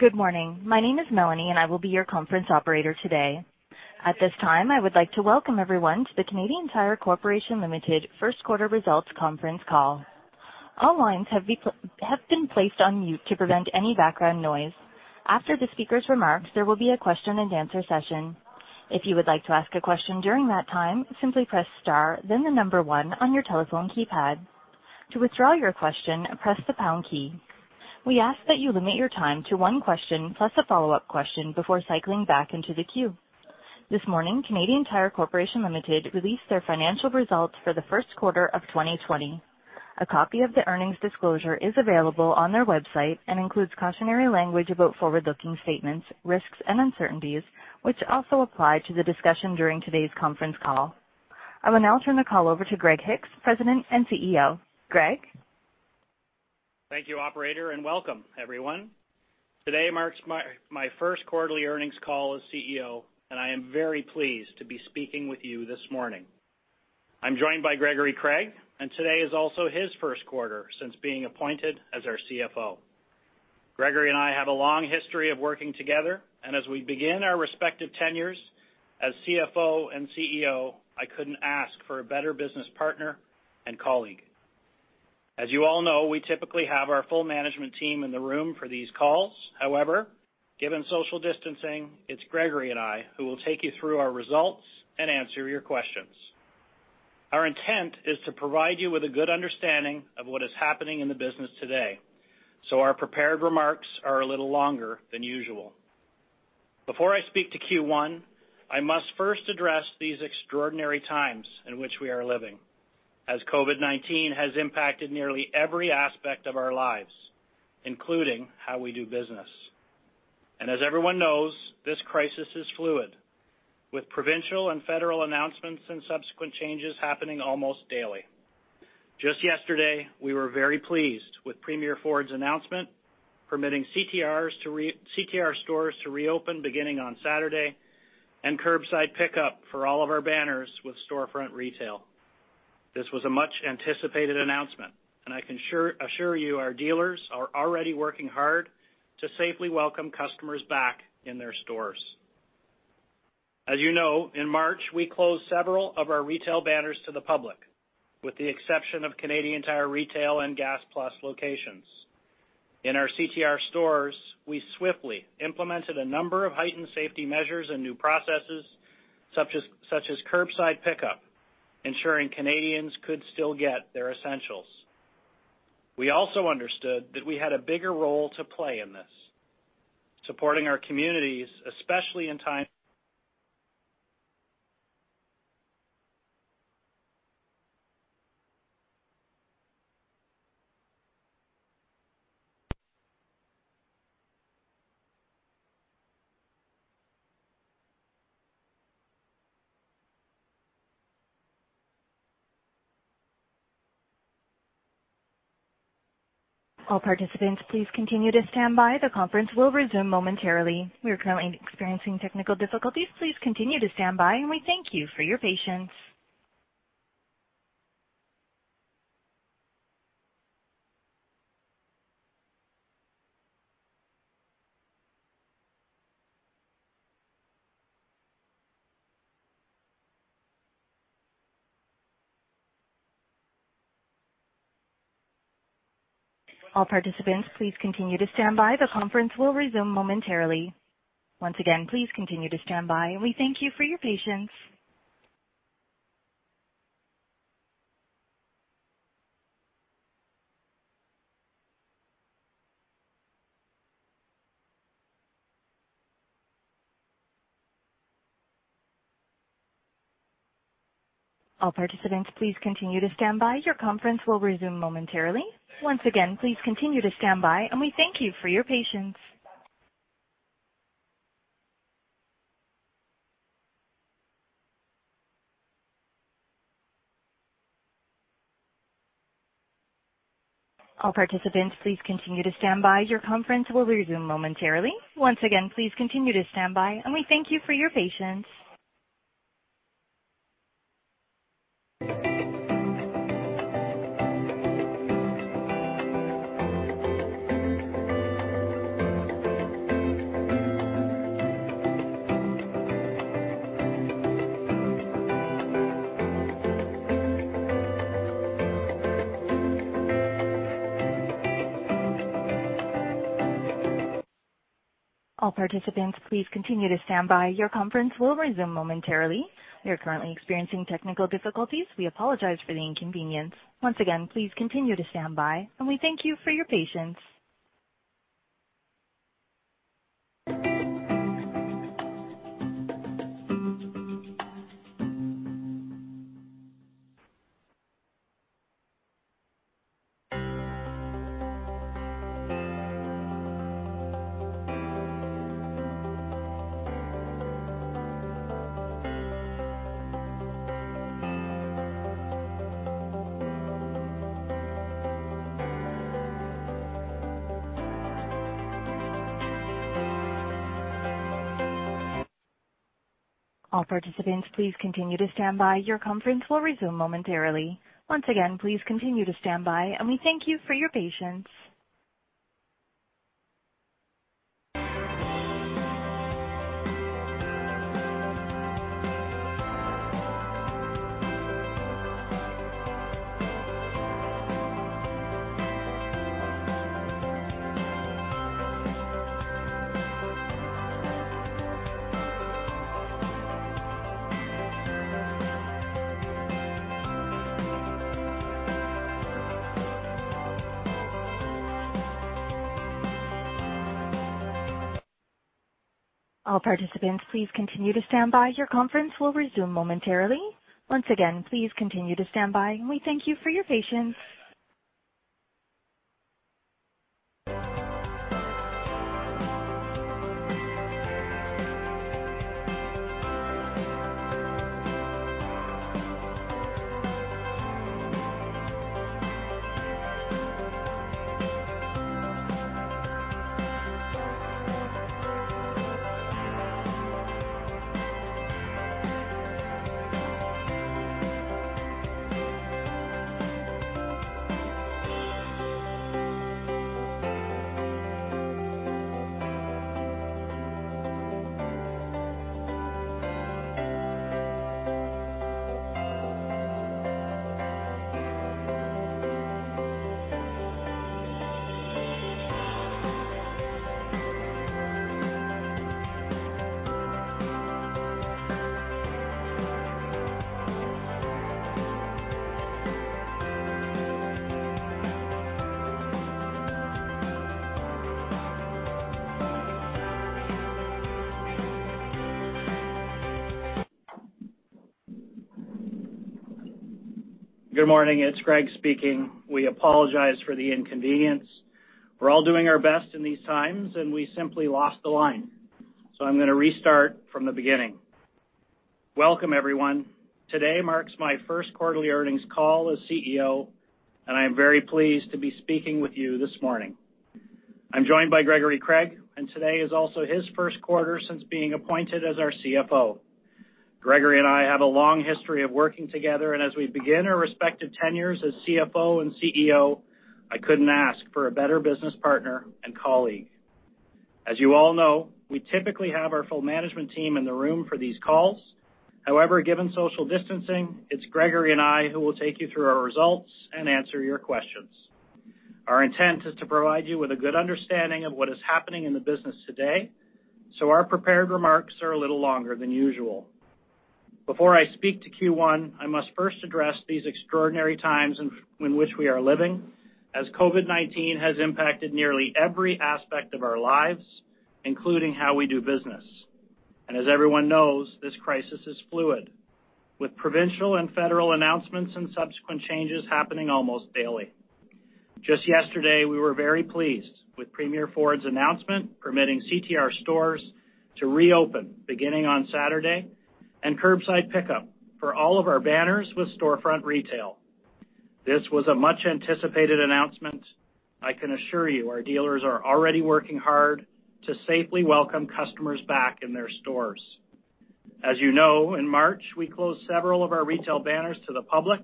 Good morning. My name is Melanie, and I will be your conference operator today. At this time, I would like to welcome everyone to the Canadian Tire Corporation Limited First Quarter Results Conference Call. All lines have been placed on mute to prevent any background noise. After the speaker's remarks, there will be a question-and-answer session. If you would like to ask a question during that time, simply press star, then the number one on your telephone keypad. To withdraw your question, press the pound key. We ask that you limit your time to one question plus a follow-up question before cycling back into the queue. This morning, Canadian Tire Corporation Limited released their financial results for the first quarter of 2020. A copy of the earnings disclosure is available on their website and includes cautionary language about forward-looking statements, risks and uncertainties, which also apply to the discussion during today's conference call. I will now turn the call over to Greg Hicks, President and CEO. Greg? Thank you, operator, and welcome, everyone. Today marks my first quarterly earnings call as CEO, and I am very pleased to be speaking with you this morning. I'm joined by Gregory Craig, and today is also his first quarter since being appointed as our CFO. Gregory and I have a long history of working together, and as we begin our respective tenures as CFO and CEO, I couldn't ask for a better business partner and colleague. As you all know, we typically have our full management team in the room for these calls. However, given social distancing, it's Gregory and I who will take you through our results and answer your questions. Our intent is to provide you with a good understanding of what is happening in the business today, so our prepared remarks are a little longer than usual. Before I speak to Q1, I must first address these extraordinary times in which we are living, as COVID-19 has impacted nearly every aspect of our lives, including how we do business. As everyone knows, this crisis is fluid, with provincial and federal announcements and subsequent changes happening almost daily. Just yesterday, we were very pleased with Premier Ford's announcement, permitting CTR stores to reopen beginning on Saturday and curbside pickup for all of our banners with storefront retail. This was a much-anticipated announcement, and I can assure you our dealers are already working hard to safely welcome customers back in their stores. As you know, in March, we closed several of our retail banners to the public, with the exception of Canadian Tire Retail and Gas+ locations. In our CTR stores, we swiftly implemented a number of heightened safety measures and new processes such as curbside pickup, ensuring Canadians could still get their essentials. We also understood that we had a bigger role to play in this, supporting our communities, especially in times. All participants, please continue to stand by. The conference will resume momentarily. We are currently experiencing technical difficulties. Please continue to stand by, and we thank you for your patience. All participants, please continue to stand by. The conference will resume momentarily. Once again, please continue to stand by, and we thank you for your patience. All participants, please continue to stand by. Your conference will resume momentarily. Once again, please continue to stand by, and we thank you for your patience. All participants, please continue to stand by. Your conference will resume momentarily. Once again, please continue to stand by, and we thank you for your patience. Gregory and I have a long history of working together, and as we begin our respective tenures as CFO and CEO, I couldn't ask for a better business partner and colleague. As you all know, we typically have our full management team in the room for these calls. However, given social distancing, it's Gregory and I who will take you through our results and answer your questions. Our intent is to provide you with a good understanding of what is happening in the business today, so our prepared remarks are a little longer than usual. Before I speak to Q1, I must first address these extraordinary times in which we are living, as COVID-19 has impacted nearly every aspect of our lives, including how we do business. As everyone knows, this crisis is fluid, with provincial and federal announcements and subsequent changes happening almost daily. Just yesterday, we were very pleased with Premier Ford's announcement, permitting CTR stores to reopen beginning on Saturday, and curbside pickup for all of our banners with storefront retail. This was a much-anticipated announcement. I can assure you, our dealers are already working hard to safely welcome customers back in their stores. As you know, in March, we closed several of our retail banners to the public,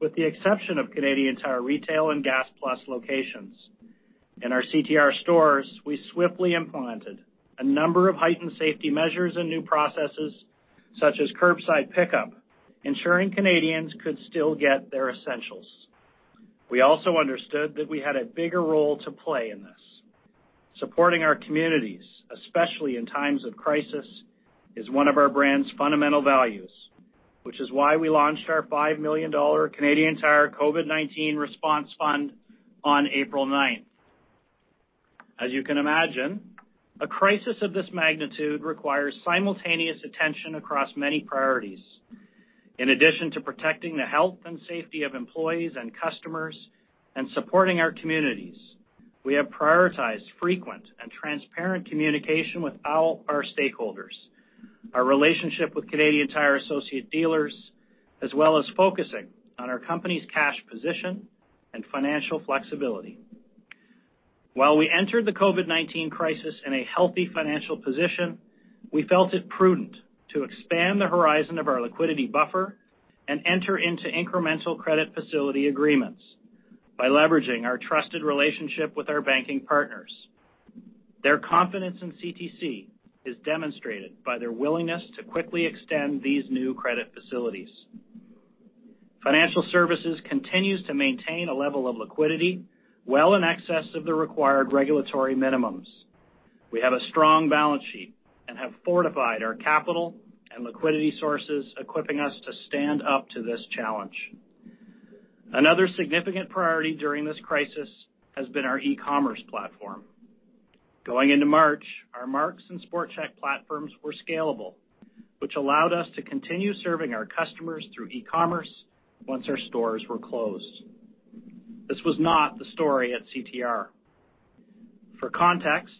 with the exception of Canadian Tire Retail and Gas+ locations. In our CTR stores, we swiftly implemented a number of heightened safety measures and new processes, such as curbside pickup, ensuring Canadians could still get their essentials. We also understood that we had a bigger role to play in this. Supporting our communities, especially in times of crisis, is one of our brand's fundamental values, which is why we launched our 5 million Canadian dollars Canadian Tire COVID-19 Response Fund on April 9. As you can imagine, a crisis of this magnitude requires simultaneous attention across many priorities. In addition to protecting the health and safety of employees and customers and supporting our communities, we have prioritized frequent and transparent communication with all our stakeholders, our relationship with Canadian Tire Associate Dealers, as well as focusing on our company's cash position and financial flexibility. While we entered the COVID-19 crisis in a healthy financial position, we felt it prudent to expand the horizon of our liquidity buffer and enter into incremental credit facility agreements by leveraging our trusted relationship with our banking partners. Their confidence in CTC is demonstrated by their willingness to quickly extend these new credit facilities. Financial Services continues to maintain a level of liquidity well in excess of the required regulatory minimums. We have a strong balance sheet and have fortified our capital and liquidity sources, equipping us to stand up to this challenge. Another significant priority during this crisis has been our e-commerce platform. Going into March, our Mark's and Sport Chek platforms were scalable, which allowed us to continue serving our customers through e-commerce once our stores were closed. This was not the story at CTR. For context,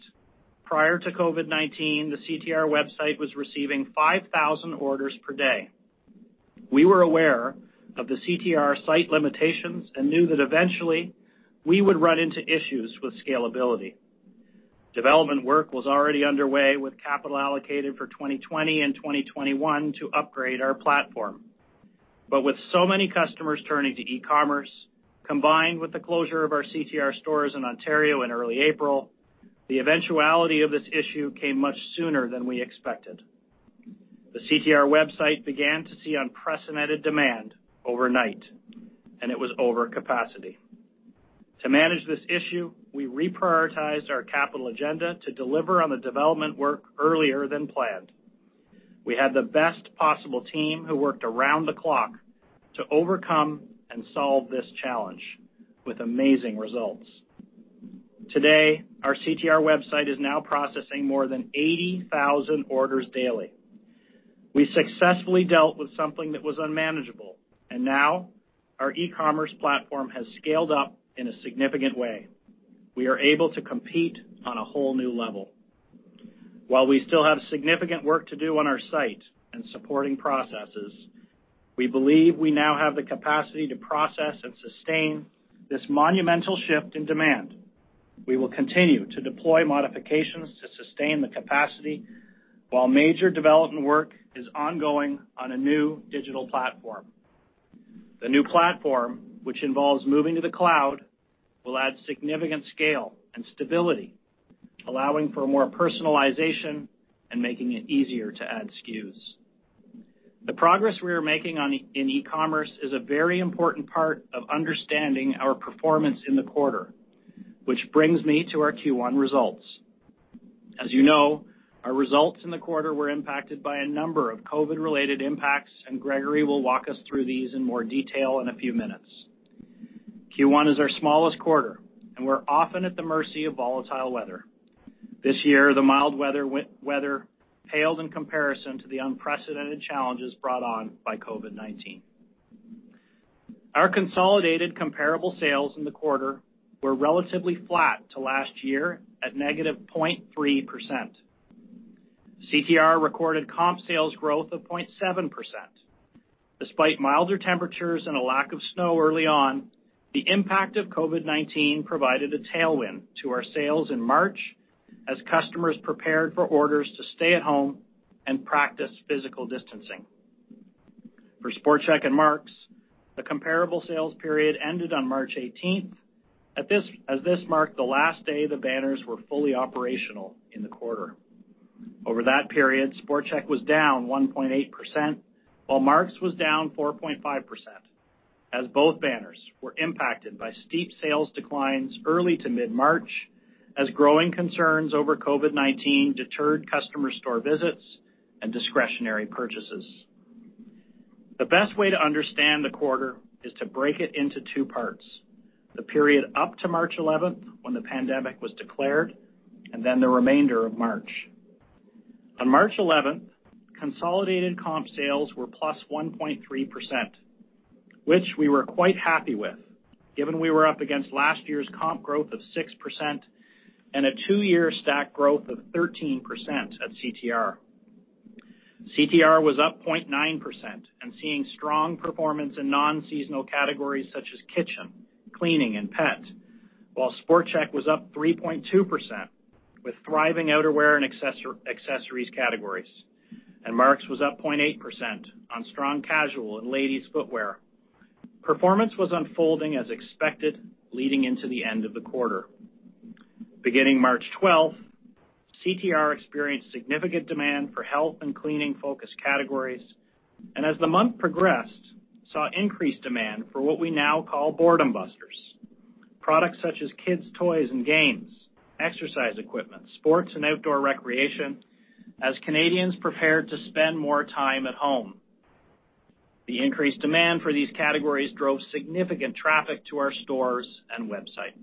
prior to COVID-19, the CTR website was receiving 5,000 orders per day. We were aware of the CTR site limitations and knew that eventually, we would run into issues with scalability. Development work was already underway, with capital allocated for 2020 and 2021 to upgrade our platform. But with so many customers turning to e-commerce, combined with the closure of our CTR stores in Ontario in early April, the eventuality of this issue came much sooner than we expected. The CTR website began to see unprecedented demand overnight, and it was over capacity. To manage this issue, we reprioritized our capital agenda to deliver on the development work earlier than planned. We had the best possible team who worked around the clock to overcome and solve this challenge with amazing results. Today, our CTR website is now processing more than 80,000 orders daily. We successfully dealt with something that was unmanageable, and now our e-commerce platform has scaled up in a significant way. We are able to compete on a whole new level. While we still have significant work to do on our site and supporting processes, we believe we now have the capacity to process and sustain this monumental shift in demand. We will continue to deploy modifications to sustain the capacity while major development work is ongoing on a new digital platform. The new platform, which involves moving to the cloud, will add significant scale and stability, allowing for more personalization and making it easier to add SKUs. The progress we are making on e-commerce is a very important part of understanding our performance in the quarter, which brings me to our Q1 results. As you know, our results in the quarter were impacted by a number of COVID-related impacts, and Gregory will walk us through these in more detail in a few minutes. Q1 is our smallest quarter, and we're often at the mercy of volatile weather. This year, the mild weather paled in comparison to the unprecedented challenges brought on by COVID-19. Our consolidated comparable sales in the quarter were relatively flat to last year, at -0.3%. CTR recorded comp sales growth of 0.7%. Despite milder temperatures and a lack of snow early on, the impact of COVID-19 provided a tailwind to our sales in March as customers prepared for orders to stay at home and practice physical distancing. For Sport Chek and Mark's, the comparable sales period ended on March 18, as this marked the last day the banners were fully operational in the quarter. Over that period, Sport Chek was down 1.8%, while Mark's was down 4.5%, as both banners were impacted by steep sales declines early to mid-March, as growing concerns over COVID-19 deterred customer store visits and discretionary purchases. The best way to understand the quarter is to break it into two parts, the period up to March 11, when the pandemic was declared, and then the remainder of March. On March 11, consolidated comp sales were +1.3%, which we were quite happy with, given we were up against last year's comp growth of 6% and a two-year stack growth of 13% at CTR. CTR was up 0.9% and seeing strong performance in non-seasonal categories such as kitchen, cleaning, and pet, while Sport Chek was up 3.2%, with thriving outerwear and accessories categories, and Mark's was up 0.8% on strong casual and ladies' footwear. Performance was unfolding as expected, leading into the end of the quarter. Beginning March 12, CTR experienced significant demand for health and cleaning-focused categories, and as the month progressed, saw increased demand for what we now call boredom busters, products such as kids' toys and games, exercise equipment, sports and outdoor recreation, as Canadians prepared to spend more time at home. The increased demand for these categories drove significant traffic to our stores and website.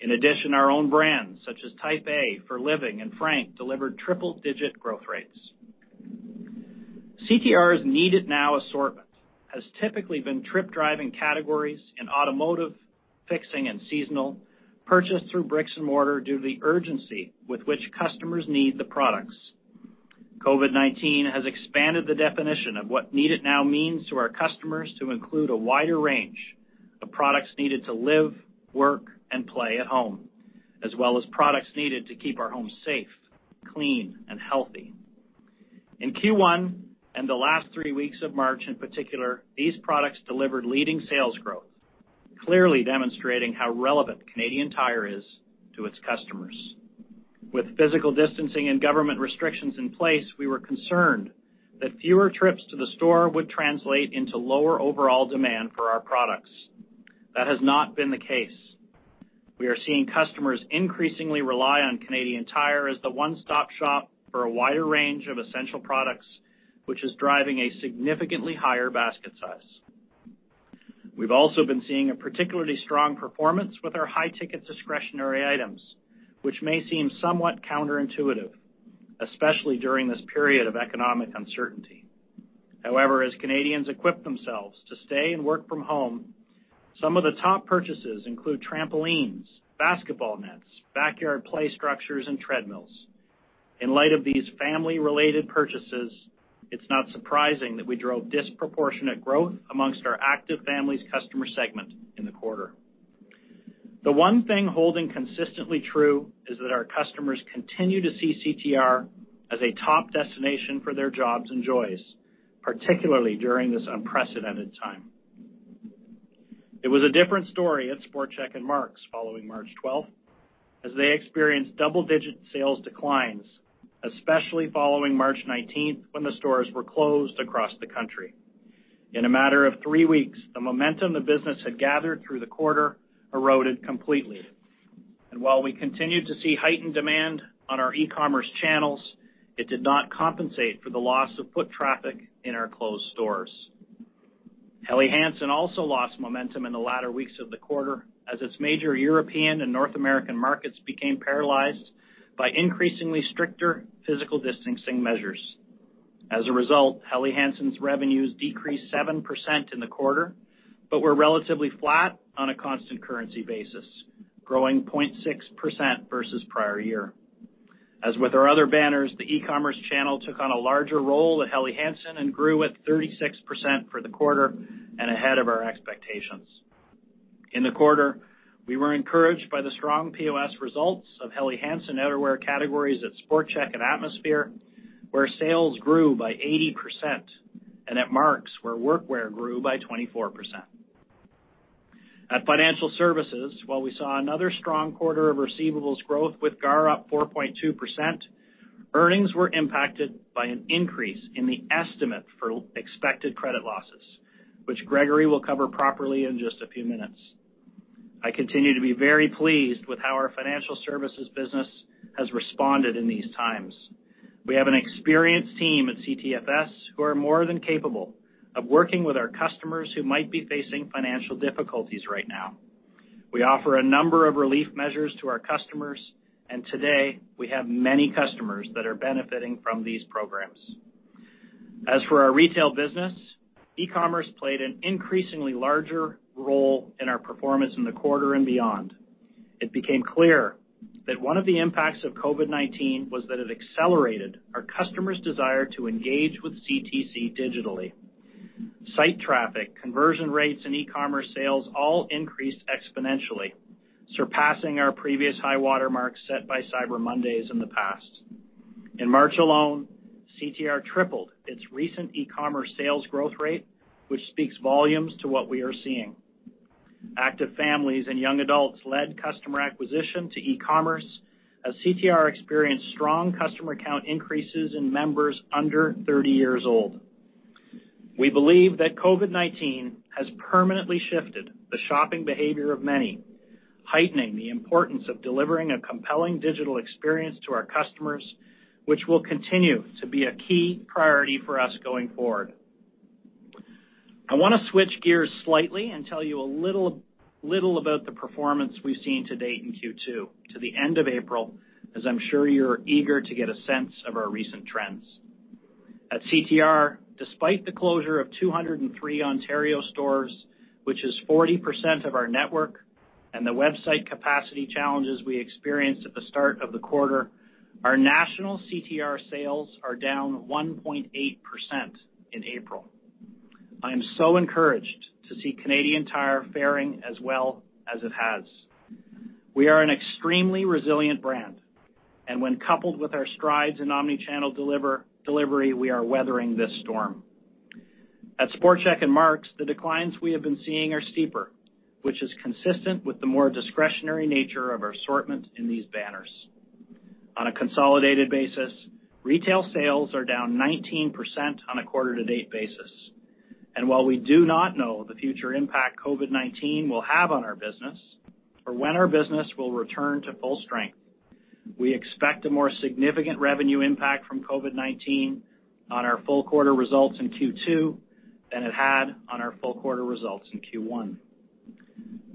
In addition, our own brands, such as Type A, For Living, and FRANK, delivered triple-digit growth rates. CTR's need-it-now assortment has typically been trip-driving categories in automotive, fixing, and seasonal, purchased through bricks and mortar due to the urgency with which customers need the products. COVID-19 has expanded the definition of what need it now means to our customers to include a wider range of products needed to live, work, and play at home, as well as products needed to keep our homes safe, clean, and healthy. In Q1, and the last three weeks of March in particular, these products delivered leading sales growth, clearly demonstrating how relevant Canadian Tire is to its customers. With physical distancing and government restrictions in place, we were concerned that fewer trips to the store would translate into lower overall demand for our products. That has not been the case. We are seeing customers increasingly rely on Canadian Tire as the one-stop shop for a wider range of essential products, which is driving a significantly higher basket size. We've also been seeing a particularly strong performance with our high-ticket discretionary items, which may seem somewhat counterintuitive, especially during this period of economic uncertainty. However, as Canadians equip themselves to stay and work from home. Some of the top purchases include trampolines, basketball nets, backyard play structures, and treadmills. In light of these family-related purchases, it's not surprising that we drove disproportionate growth among our Active Families customer segment in the quarter. The one thing holding consistently true is that our customers continue to see CTR as a top destination for their Jobs and Joys, particularly during this unprecedented time. It was a different story at Sport Chek and Mark's following March 12, as they experienced double-digit sales declines, especially following March 19, when the stores were closed across the country. In a matter of three weeks, the momentum the business had gathered through the quarter eroded completely. While we continued to see heightened demand on our e-commerce channels, it did not compensate for the loss of foot traffic in our closed stores. Helly Hansen also lost momentum in the latter weeks of the quarter, as its major European and North American markets became paralyzed by increasingly stricter physical distancing measures. As a result, Helly Hansen's revenues decreased 7% in the quarter, but were relatively flat on a constant currency basis, growing 0.6% versus prior-year. As with our other banners, the e-commerce channel took on a larger role at Helly Hansen and grew at 36% for the quarter and ahead of our expectations. In the quarter, we were encouraged by the strong POS results of Helly Hansen outerwear categories at Sport Chek and Atmosphere, where sales grew by 80%, and at Mark's, where workwear grew by 24%. At Financial Services, while we saw another strong quarter of receivables growth, with GAR up 4.2%, earnings were impacted by an increase in the estimate for expected credit losses, which Gregory will cover properly in just a few minutes. I continue to be very pleased with how our Financial Services business has responded in these times. We have an experienced team at CTFS who are more than capable of working with our customers who might be facing financial difficulties right now. We offer a number of relief measures to our customers, and today, we have many customers that are benefiting from these programs. As for our retail business, e-commerce played an increasingly larger role in our performance in the quarter and beyond. It became clear that one of the impacts of COVID-19 was that it accelerated our customers' desire to engage with CTC digitally. Site traffic, conversion rates, and e-commerce sales all increased exponentially, surpassing our previous high watermark set by Cyber Mondays in the past. In March alone, CTR tripled its recent e-commerce sales growth rate, which speaks volumes to what we are seeing. Active Families and young adults led customer acquisition to e-commerce as CTR experienced strong customer count increases in members under 30 years old. We believe that COVID-19 has permanently shifted the shopping behavior of many, heightening the importance of delivering a compelling digital experience to our customers, which will continue to be a key priority for us going forward. I want to switch gears slightly and tell you a little, little about the performance we've seen to date in Q2, to the end of April, as I'm sure you're eager to get a sense of our recent trends. At CTR, despite the closure of 203 Ontario stores, which is 40% of our network, and the website capacity challenges we experienced at the start of the quarter, our national CTR sales are down 1.8% in April. I am so encouraged to see Canadian Tire faring as well as it has. We are an extremely resilient brand, and when coupled with our strides in omni-channel delivery, we are weathering this storm. At Sport Chek and Mark's, the declines we have been seeing are steeper, which is consistent with the more discretionary nature of our assortment in these banners. On a consolidated basis, retail sales are down 19% on a quarter-to-date basis. While we do not know the future impact COVID-19 will have on our business or when our business will return to full strength, we expect a more significant revenue impact from COVID-19 on our full quarter results in Q2 than it had on our full quarter results in Q1.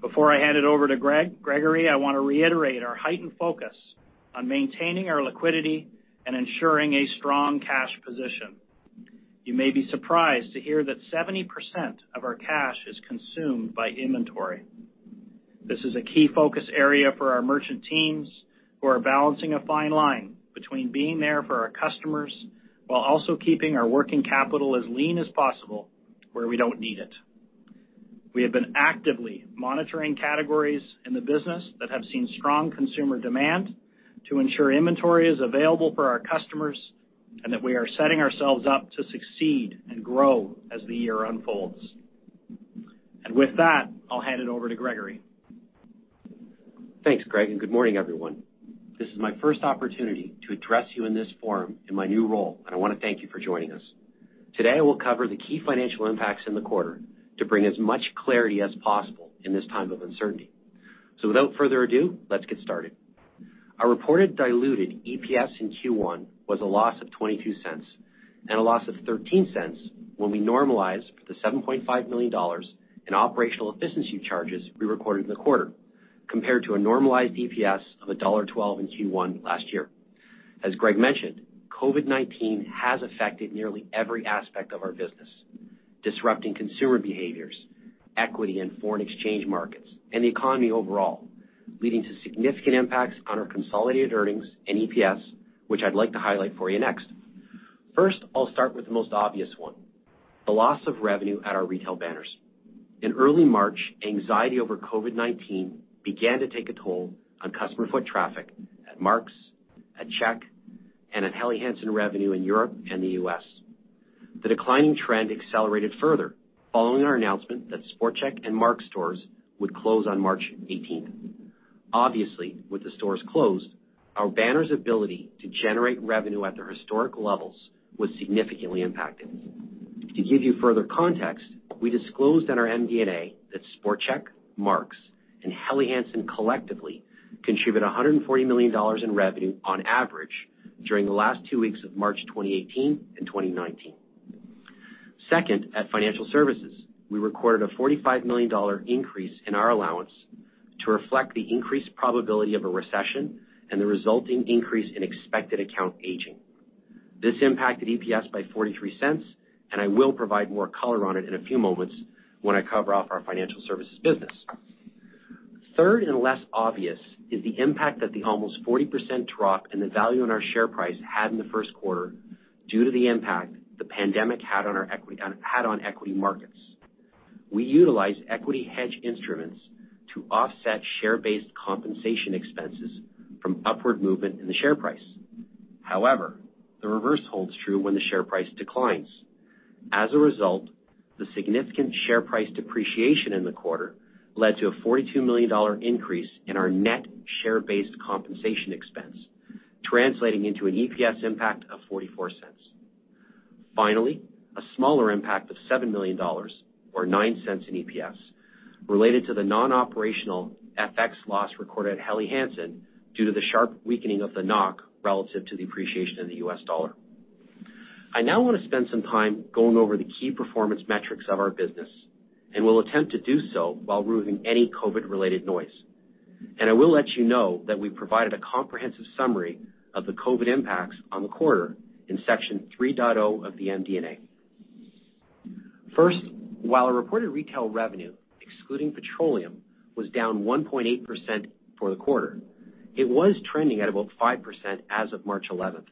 Before I hand it over to Greg, Gregory, I want to reiterate our heightened focus on maintaining our liquidity and ensuring a strong cash position. You may be surprised to hear that 70% of our cash is consumed by inventory. This is a key focus area for our merchant teams, who are balancing a fine line between being there for our customers while also keeping our working capital as lean as possible where we don't need it. We have been actively monitoring categories in the business that have seen strong consumer demand to ensure inventory is available for our customers, and that we are setting ourselves up to succeed and grow as the year unfolds. And with that, I'll hand it over to Gregory. Thanks, Greg, and good morning, everyone. This is my first opportunity to address you in this forum in my new role, and I want to thank you for joining us. Today, I will cover the key financial impacts in the quarter to bring as much clarity as possible in this time of uncertainty. So without further ado, let's get started. Our reported diluted EPS in Q1 was a loss of 0.22, and a loss of 0.13 when we normalized the 7.5 million dollars in operational efficiency charges we recorded in the quarter, compared to a normalized EPS of dollar 1.12 in Q1 last year. As Greg mentioned, COVID-19 has affected nearly every aspect of our business, disrupting consumer behaviors, equity and foreign exchange markets, and the economy overall, leading to significant impacts on our consolidated earnings and EPS, which I'd like to highlight for you next. First, I'll start with the most obvious one, the loss of revenue at our retail banners. In early March, anxiety over COVID-19 began to take a toll on customer foot traffic at Mark's, at Sport Chek, and at Helly Hansen revenue in Europe and the U.S. The declining trend accelerated further following our announcement that Sport Chek and Mark's stores would close on March 18. Obviously, with the stores closed, our banner's ability to generate revenue at their historic levels was significantly impacted. To give you further context, we disclosed in our MD&A that Sport Chek, Mark's, and Helly Hansen collectively contribute 140 million dollars in revenue on average during the last two weeks of March 2018 and 2019. Second, at Financial Services, we recorded a 45 million dollar increase in our allowance to reflect the increased probability of a recession and the resulting increase in expected account aging. This impacted EPS by 0.43, and I will provide more color on it in a few moments when I cover off our Financial Services business. Third, and less obvious, is the impact that the almost 40% drop in the value in our share price had in the first quarter, due to the impact the pandemic had on equity markets. We utilize equity hedge instruments to offset share-based compensation expenses from upward movement in the share price. However, the reverse holds true when the share price declines. As a result, the significant share price depreciation in the quarter led to a 42 million dollar increase in our net share-based compensation expense, translating into an EPS impact of 0.44. Finally, a smaller impact of 7 million dollars, or 0.09 in EPS, related to the non-operational FX loss recorded at Helly Hansen due to the sharp weakening of the NOK relative to the appreciation in the U.S. dollar. I now want to spend some time going over the key performance metrics of our business, and will attempt to do so while removing any COVID-related noise. And I will let you know that we provided a comprehensive summary of the COVID impacts on the quarter in Section 3.0 of the MD&A. First, while our reported retail revenue, excluding petroleum, was down 1.8% for the quarter, it was trending at about 5% as of March eleventh.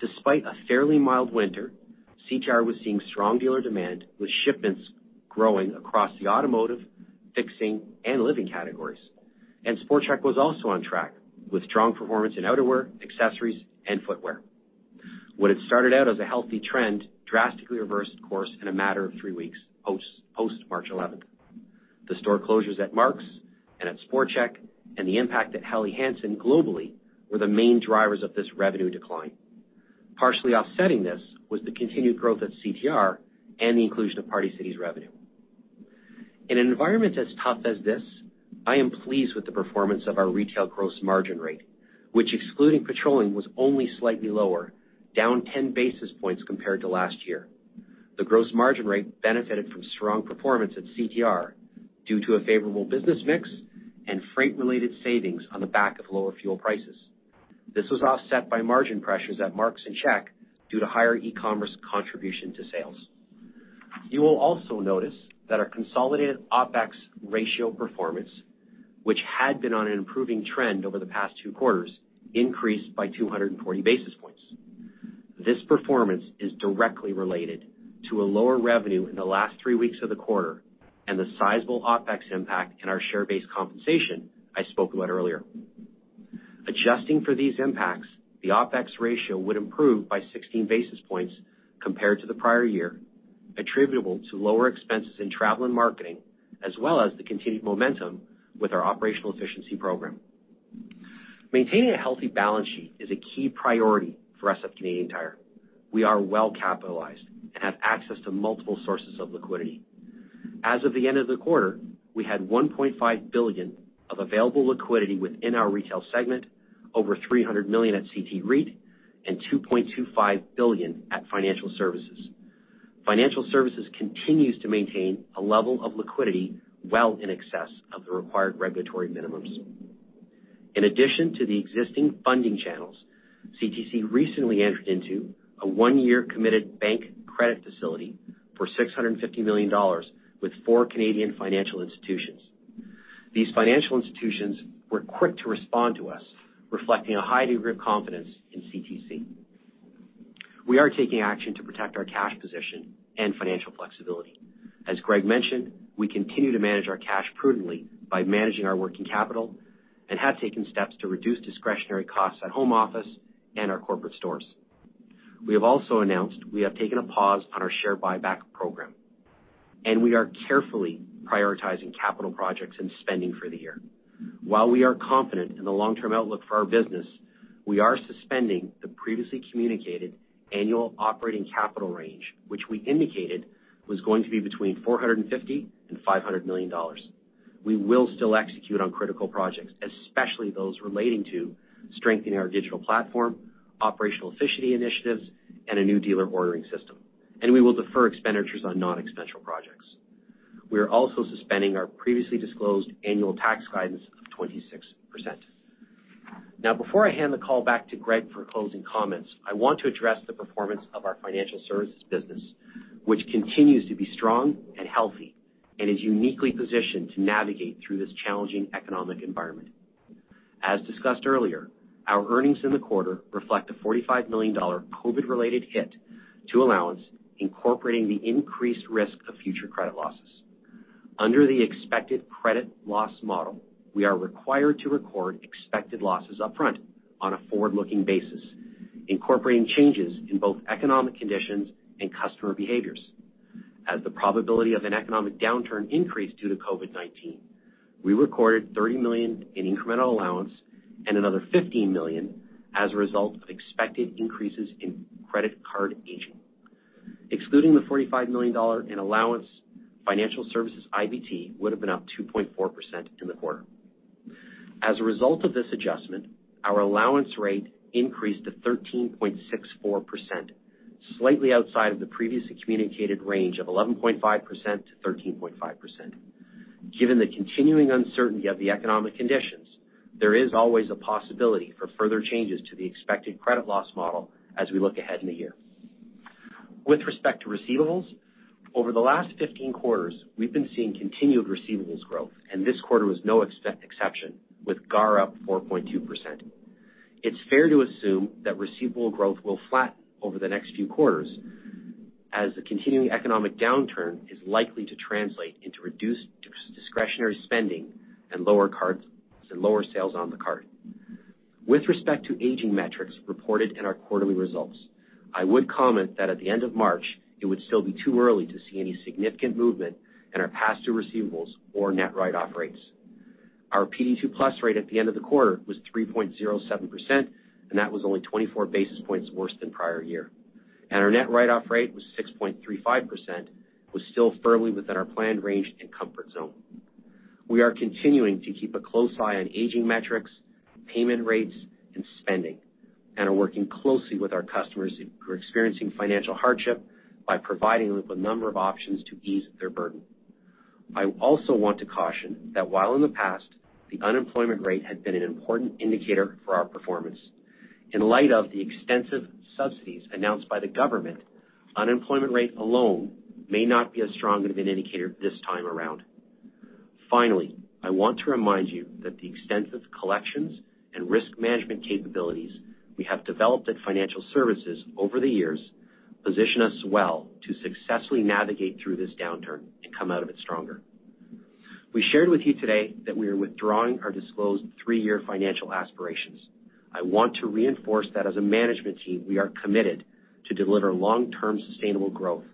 Despite a fairly mild winter, CTR was seeing strong dealer demand, with shipments growing across the automotive, fixing, and living categories. And Sport Chek was also on track, with strong performance in outerwear, accessories, and footwear. What had started out as a healthy trend drastically reversed course in a matter of 3 weeks, post-March 11. The store closures at Mark's and at Sport Chek, and the impact at Helly Hansen globally, were the main drivers of this revenue decline. Partially offsetting this was the continued growth at CTR and the inclusion of Party City's revenue. In an environment as tough as this, I am pleased with the performance of our retail gross margin rate, which, excluding petroleum, was only slightly lower, down 10 basis points compared to last year. The gross margin rate benefited from strong performance at CTR due to a favorable business mix and freight-related savings on the back of lower fuel prices. This was offset by margin pressures at Mark's and Sport Chek due to higher e-commerce contribution to sales. You will also notice that our consolidated OpEx ratio performance, which had been on an improving trend over the past two quarters, increased by 240 basis points. This performance is directly related to a lower revenue in the last three weeks of the quarter and the sizable OpEx impact in our share-based compensation I spoke about earlier. Adjusting for these impacts, the OpEx ratio would improve by 16 basis points compared to the prior-year, attributable to lower expenses in travel and marketing, as well as the continued momentum with our operational efficiency program. Maintaining a healthy balance sheet is a key priority for us at Canadian Tire. We are well capitalized and have access to multiple sources of liquidity. As of the end of the quarter, we had 1.5 billion of available liquidity within our retail segment, over 300 million at CT REIT, and 2.25 billion at Financial Services. Financial Services continues to maintain a level of liquidity well in excess of the required regulatory minimums. In addition to the existing funding channels, CTC recently entered into a one-year committed bank credit facility for 650 million dollars with four Canadian financial institutions. These financial institutions were quick to respond to us, reflecting a high degree of confidence in CTC. We are taking action to protect our cash position and financial flexibility. As Greg mentioned, we continue to manage our cash prudently by managing our working capital and have taken steps to reduce discretionary costs at home office and our corporate stores. We have also announced we have taken a pause on our share buyback program, and we are carefully prioritizing capital projects and spending for the year. While we are confident in the long-term outlook for our business, we are suspending the previously communicated annual operating capital range, which we indicated was going to be between 450 million and 500 million dollars. We will still execute on critical projects, especially those relating to strengthening our digital platform, operational efficiency initiatives, and a new dealer ordering system and we will defer expenditures on non-essential projects. We are also suspending our previously disclosed annual tax guidance of 26%. Now, before I hand the call back to Greg for closing comments, I want to address the performance of our financial services business, which continues to be strong and healthy, and is uniquely positioned to navigate through this challenging economic environment. As discussed earlier, our earnings in the quarter reflect a 45 million dollar COVID-related hit to allowance, incorporating the increased risk of future credit losses. Under the expected credit loss model, we are required to record expected losses upfront on a forward-looking basis, incorporating changes in both economic conditions and customer behaviors. As the probability of an economic downturn increased due to COVID-19, we recorded 30 million in incremental allowance and another 15 million as a result of expected increases in credit card aging. Excluding the 45 million dollar in allowance, Financial Services IBT would have been up 2.4% in the quarter. As a result of this adjustment, our allowance rate increased to 13.64%, slightly outside of the previously communicated range of 11.5%-13.5%. Given the continuing uncertainty of the economic conditions, there is always a possibility for further changes to the expected credit loss model as we look ahead in the year. With respect to receivables, over the last 15 quarters, we've been seeing continued receivables growth, and this quarter was no exception, with GAR up 4.2%. It's fair to assume that receivable growth will flatten over the next few quarters, as the continuing economic downturn is likely to translate into reduced discretionary spending and lower card and lower sales on the card. With respect to aging metrics reported in our quarterly results, I would comment that at the end of March, it would still be too early to see any significant movement in our past due receivables or net write-off rates. Our PD2+ rate at the end of the quarter was 3.07%, and that was only 24 basis points worse than prior-year. Our net write-off rate was 6.35%, was still firmly within our planned range and comfort zone. We are continuing to keep a close eye on aging metrics, payment rates, and spending, and are working closely with our customers who are experiencing financial hardship by providing them with a number of options to ease their burden. I also want to caution that while in the past, the unemployment rate had been an important indicator for our performance, in light of the extensive subsidies announced by the government, unemployment rate alone may not be as strong of an indicator this time around. Finally, I want to remind you that the extensive collections and risk management capabilities we have developed at Financial Services over the years position us well to successfully navigate through this downturn and come out of it stronger. We shared with you today that we are withdrawing our disclosed three-year financial aspirations. I want to reinforce that as a management team, we are committed to deliver long-term sustainable growth.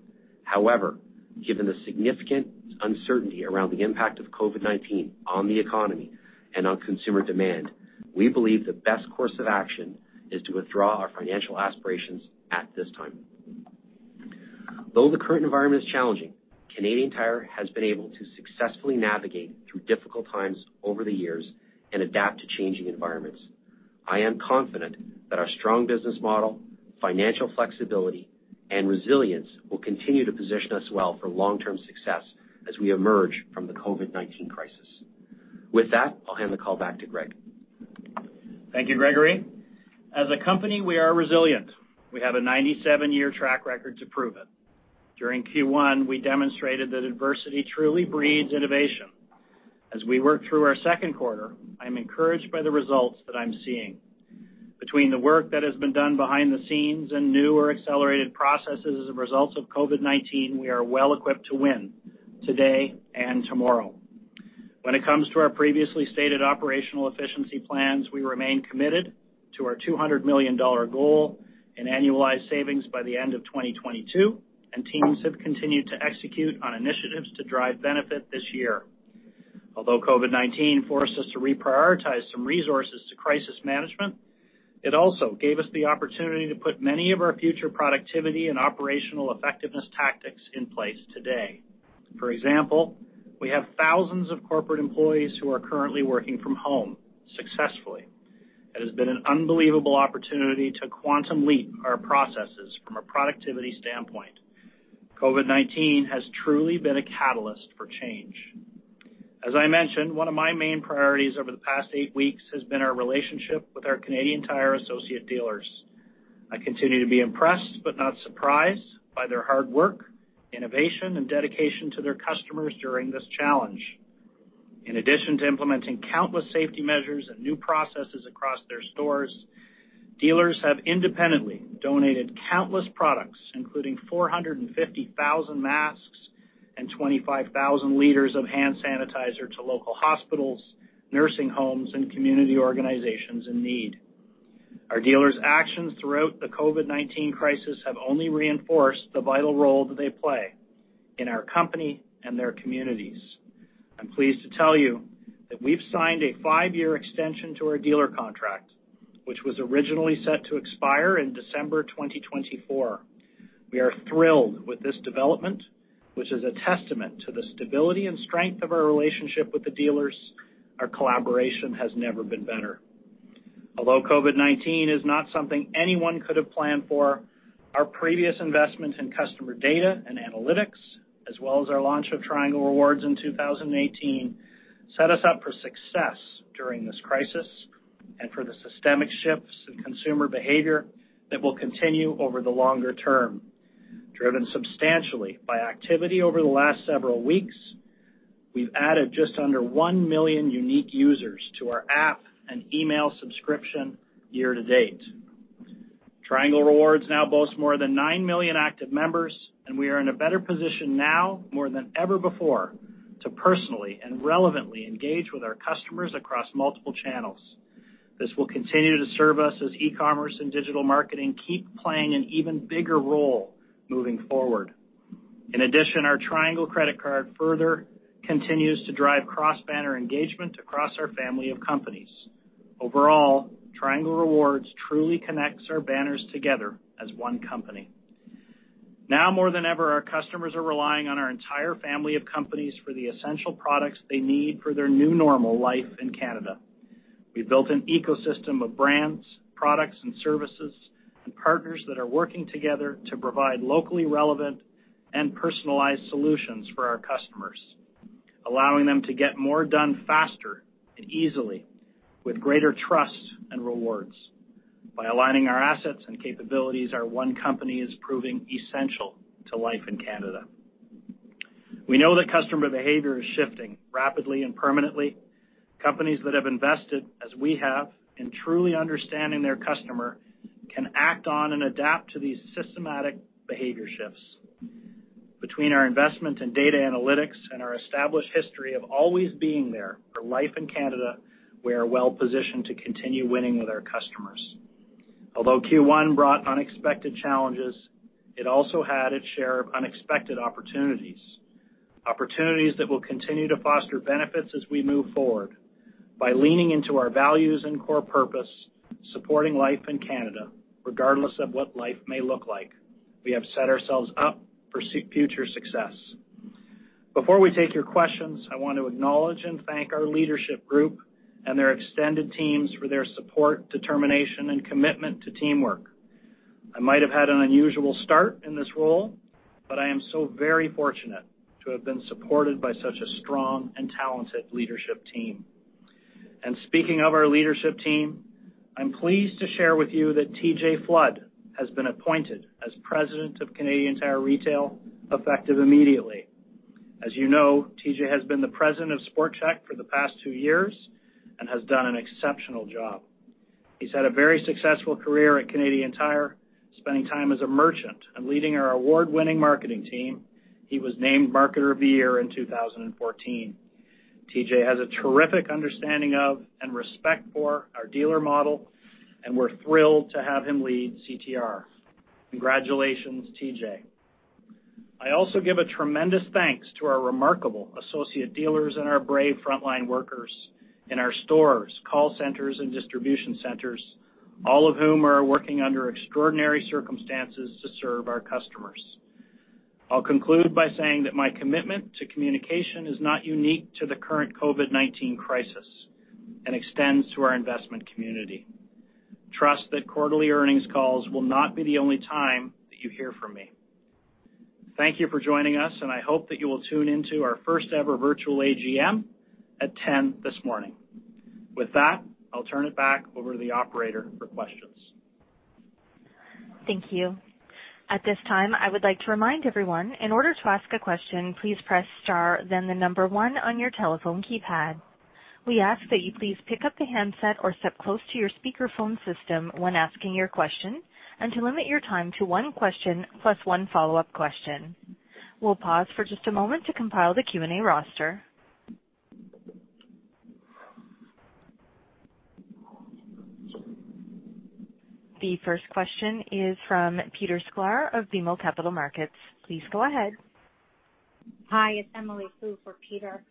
However, given the significant uncertainty around the impact of COVID-19 on the economy and on consumer demand, we believe the best course of action is to withdraw our financial aspirations at this time. Though the current environment is challenging, Canadian Tire has been able to successfully navigate through difficult times over the years and adapt to changing environments. I am confident that our strong business model, financial flexibility, and resilience will continue to position us well for long-term success as we emerge from the COVID-19 crisis. With that, I'll hand the call back to Greg. Thank you, Gregory. As a company, we are resilient. We have a 97-year track record to prove it. During Q1, we demonstrated that adversity truly breeds innovation. As we work through our second quarter, I'm encouraged by the results that I'm seeing. Between the work that has been done behind the scenes and new or accelerated processes as a result of COVID-19, we are well equipped to win today and tomorrow. When it comes to our previously stated operational efficiency plans, we remain committed to our 200 million dollar goal in annualized savings by the end of 2022, and teams have continued to execute on initiatives to drive benefit this year. Although COVID-19 forced us to reprioritize some resources to crisis management, it also gave us the opportunity to put many of our future productivity and operational effectiveness tactics in place today. For example, we have thousands of corporate employees who are currently working from home successfully. It has been an unbelievable opportunity to quantum leap our processes from a productivity standpoint. COVID-19 has truly been a catalyst for change. As I mentioned, one of my main priorities over the past 8 weeks has been our relationship with our Canadian Tire Associate Dealers. I continue to be impressed, but not surprised, by their hard work, innovation, and dedication to their customers during this challenge. In addition to implementing countless safety measures and new processes across their stores, dealers have independently donated countless products, including 450,000 masks and 25,000 liters of hand sanitizer to local hospitals, nursing homes, and community organizations in need. Our dealers' actions throughout the COVID-19 crisis have only reinforced the vital role that they play in our company and their communities. I'm pleased to tell you that we've signed a 5-year extension to our dealer contract, which was originally set to expire in December 2024. We are thrilled with this development, which is a testament to the stability and strength of our relationship with the dealers. Our collaboration has never been better. Although COVID-19 is not something anyone could have planned for, our previous investments in customer data and analytics, as well as our launch of Triangle Rewards in 2018, set us up for success during this crisis and for the systemic shifts in consumer behavior that will continue over the longer-term, driven substantially by activity over the last several weeks. We've added just under 1 million unique users to our app and email subscription year-to-date. Triangle Rewards now boasts more than 9 million active members, and we are in a better position now, more than ever before, to personally and relevantly engage with our customers across multiple channels. This will continue to serve us as e-commerce and digital marketing keep playing an even bigger role moving forward. In addition, our Triangle Credit Card further continues to drive cross-banner engagement across our family of companies. Overall, Triangle Rewards truly connects our banners together as one company. Now more than ever, our customers are relying on our entire family of companies for the essential products they need for their new normal life in Canada. We've built an ecosystem of brands, products and services, and partners that are working together to provide locally relevant and personalized solutions for our customers, allowing them to get more done faster and easily, with greater trust and rewards. By aligning our assets and capabilities, our one company is proving essential to life in Canada. We know that customer behavior is shifting rapidly and permanently. Companies that have invested, as we have, in truly understanding their customer, can act on and adapt to these systematic behavior shifts. Between our investment in data analytics and our established history of always being there for life in Canada, we are well positioned to continue winning with our customers. Although Q1 brought unexpected challenges, it also had its share of unexpected opportunities, opportunities that will continue to foster benefits as we move forward. By leaning into our values and core purpose, supporting life in Canada, regardless of what life may look like, we have set ourselves up for future success. Before we take your questions, I want to acknowledge and thank our leadership group and their extended teams for their support, determination, and commitment to teamwork. I might have had an unusual start in this role, but I am so very fortunate to have been supported by such a strong and talented leadership team. And speaking of our leadership team, I'm pleased to share with you that TJ Flood has been appointed as President of Canadian Tire Retail, effective immediately. As you know, TJ has been the President of Sport Chek for the past two years and has done an exceptional job. He's had a very successful career at Canadian Tire, spending time as a merchant and leading our award-winning marketing team. He was named Marketer of the Year in 2014. TJ has a terrific understanding of and respect for our dealer model, and we're thrilled to have him lead CTR. Congratulations, TJ. I also give a tremendous thanks to our remarkable associate dealers and our brave frontline workers in our stores, call centers, and distribution centers, all of whom are working under extraordinary circumstances to serve our customers. I'll conclude by saying that my commitment to communication is not unique to the current COVID-19 crisis and extends to our investment community. Trust that quarterly earnings calls will not be the only time that you hear from me. Thank you for joining us, and I hope that you will tune into our first-ever virtual AGM at 10:00 A.M. this morning. With that, I'll turn it back over to the operator for questions. Thank you. At this time, I would like to remind everyone, in order to ask a question, please press star, then the number one on your telephone keypad. We ask that you please pick up the handset or step close to your speakerphone system when asking your question, and to limit your time to one question plus one follow-up question. We'll pause for just a moment to compile the Q&A roster. The first question is from Peter Sklar of BMO Capital Markets. Please go ahead. Hi, it's Emily Foo for Peter.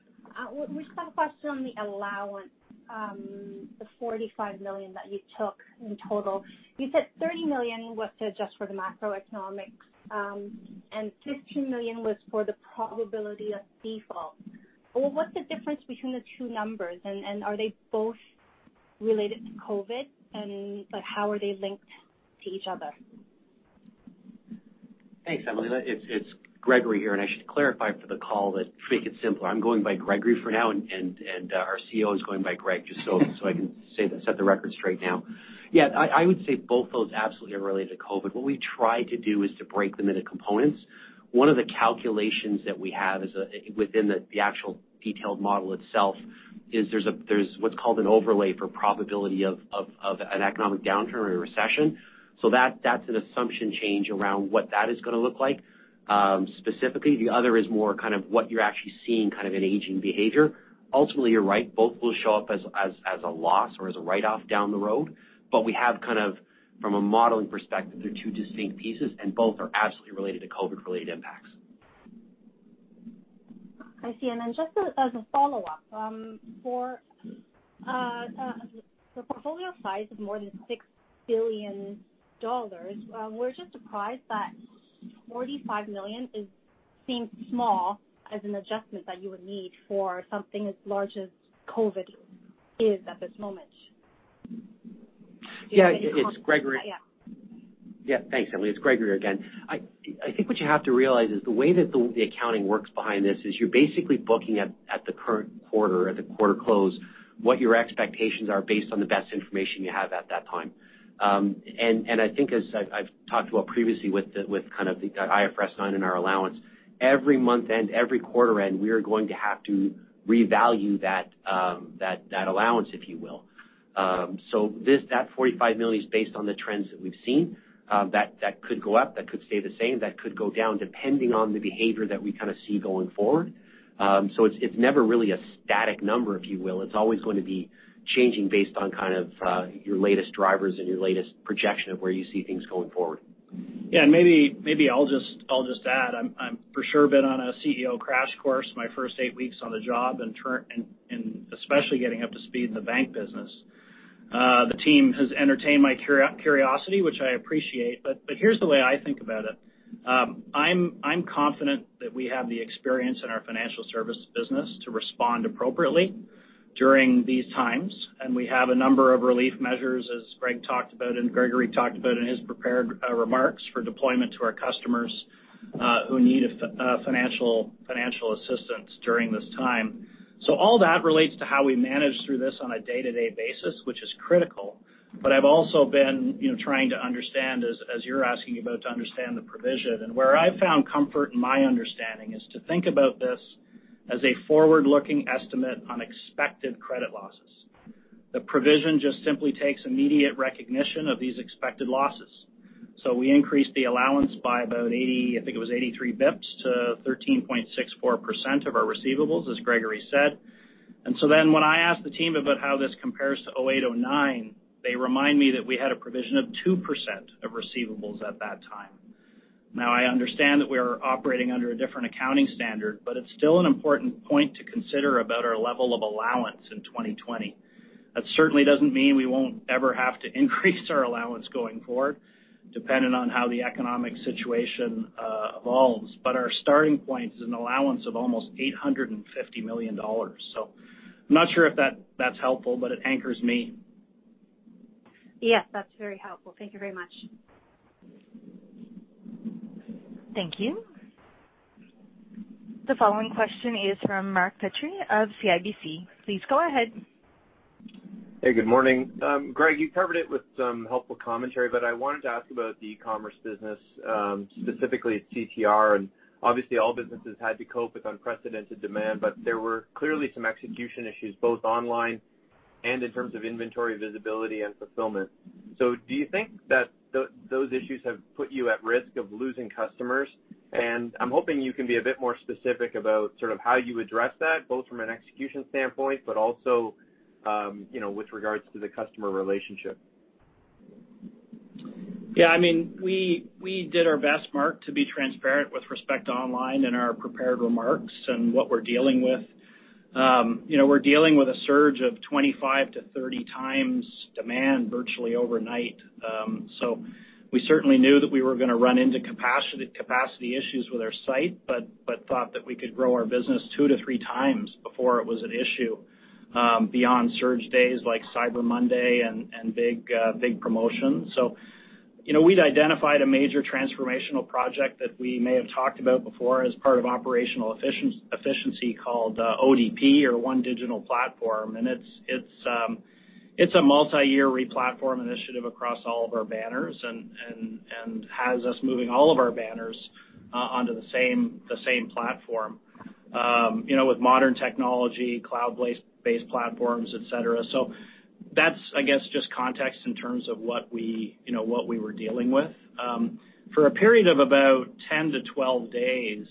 We just have a question on the allowance, the 45 million that you took in total. You said 30 million was to adjust for the macroeconomics, and 15 million was for the probability of default. Well, what's the difference between the two numbers, and are they both related to COVID, but how are they linked to each other? Thanks, Emily. It's Gregory here, and I should clarify for the call that to make it simpler, I'm going by Gregory for now, and our CEO is going by Greg, just so I can set the record straight now. Yeah, I would say both those absolutely are related to COVID. What we try to do is to break them into components. One of the calculations that we have is within the actual detailed model itself, is there's what's called an overlay for probability of an economic downturn or a recession. So that's an assumption change around what that is gonna look like. Specifically, the other is more kind of what you're actually seeing, kind of an aging behavior. Ultimately, you're right, both will show up as a loss or as a write-off down the road, but we have kind of, from a modeling perspective, they're two distinct pieces, and both are absolutely related to COVID-related impacts. I see. And then just as a follow-up, for the portfolio size of more than 6 billion dollars, we're just surprised that. 45 million seems small as an adjustment that you would need for something as large as COVID is at this moment. Yeah, it's Gregory. Yeah. Yeah, thanks, Emily. It's Gregory again. I think what you have to realize is the way that the accounting works behind this is you're basically booking at the current quarter, at the quarter close, what your expectations are based on the best information you have at that time. And I think as I've talked about previously with kind of the IFRS 9 and our allowance, every month-end, every quarter-end, we are going to have to revalue that allowance, if you will. So this, that 45 million is based on the trends that we've seen. That could go up, that could stay the same, that could go down, depending on the behavior that we kind of see going forward. So it's never really a static number, if you will. It's always going to be changing based on kind of, your latest drivers and your latest projection of where you see things going forward. Yeah, and maybe I'll just add, I'm for sure been on a CEO crash course my first eight weeks on the job, and especially getting up to speed in the bank business. The team has entertained my curiosity, which I appreciate, but here's the way I think about it. I'm confident that we have the experience in our financial service business to respond appropriately during these times, and we have a number of relief measures, as Greg talked about and Gregory talked about in his prepared remarks, for deployment to our customers who need financial assistance during this time. So all that relates to how we manage through this on a day-to-day basis, which is critical. But I've also been, you know, trying to understand, as, as you're asking about, to understand the provision. And where I've found comfort in my understanding is to think about this as a forward-looking estimate on expected credit losses. The provision just simply takes immediate recognition of these expected losses. So we increased the allowance by about 80 basis points, I think it was 83 basis points to 13.64% of our receivables, as Gregory said. And so then when I asked the team about how this compares to 2008, 2009, they remind me that we had a provision of 2% of receivables at that time. Now, I understand that we are operating under a different accounting standard, but it's still an important point to consider about our level of allowance in 2020. That certainly doesn't mean we won't ever have to increase our allowance going forward, depending on how the economic situation evolves. But our starting point is an allowance of almost 850 million dollars. So I'm not sure if that's helpful, but it anchors me. Yes, that's very helpful. Thank you very much. Thank you. The following question is from Mark Petrie of CIBC. Please go ahead. Hey, good morning. Greg, you covered it with some helpful commentary, but I wanted to ask about the e-commerce business, specifically at CTR. And obviously, all businesses had to cope with unprecedented demand, but there were clearly some execution issues, both online and in terms of inventory, visibility, and fulfillment. So do you think that those issues have put you at risk of losing customers? And I'm hoping you can be a bit more specific about sort of how you address that, both from an execution standpoint, but also, you know, with regards to the customer relationship. Yeah, I mean, we did our best, Mark, to be transparent with respect to online in our prepared remarks and what we're dealing with. You know, we're dealing with a surge of 25-30 times demand virtually overnight. So we certainly knew that we were gonna run into capacity issues with our site, but thought that we could grow our business 2-3 times before it was an issue, beyond surge days like Cyber Monday and big, big promotions. So, you know, we'd identified a major transformational project that we may have talked about before as part of operational efficiency called ODP or One Digital Platform, and it's a multiyear replatform initiative across all of our banners and has us moving all of our banners onto the same platform, you know, with modern technology, cloud-based platforms, et cetera. So that's, I guess, just context in terms of what we, you know, what we were dealing with. For a period of about 10-12 days,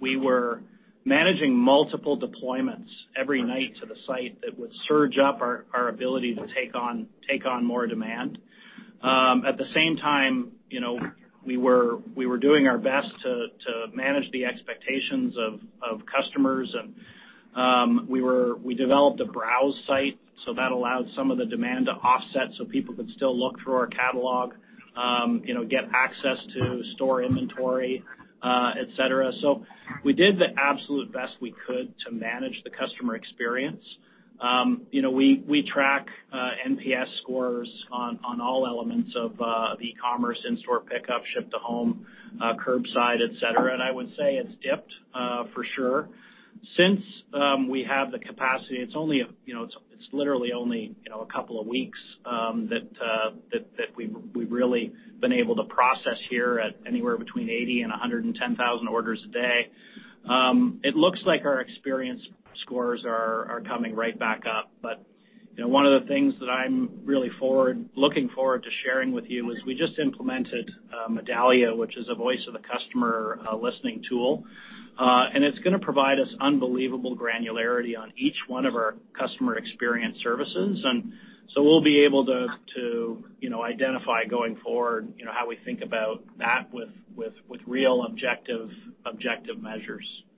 we were managing multiple deployments every night to the site that would surge up our ability to take on more demand. At the same time, you know, we were doing our best to manage the expectations of customers. We developed a browse site, so that allowed some of the demand to offset, so people could still look through our catalog, you know, get access to store inventory, etc. So we did the absolute best we could to manage the customer experience. You know, we track NPS scores on all elements of the e-commerce, in-store pickup, ship-to-home, curbside, et cetera, and I would say it's dipped for sure. Since we have the capacity, it's only, you know, literally only a couple of weeks that we've really been able to process here at anywhere between 80 and 110,000 orders a day. It looks like our experience scores are coming right back up. But, you know, one of the things that I'm really forward-looking forward to sharing with you is we just implemented Medallia, which is a voice-of-the-customer listening tool. And it's gonna provide us unbelievable granularity on each one of our customer experience services. And so we'll be able to identify going forward, you know, how we think about that with real objective measures. Okay,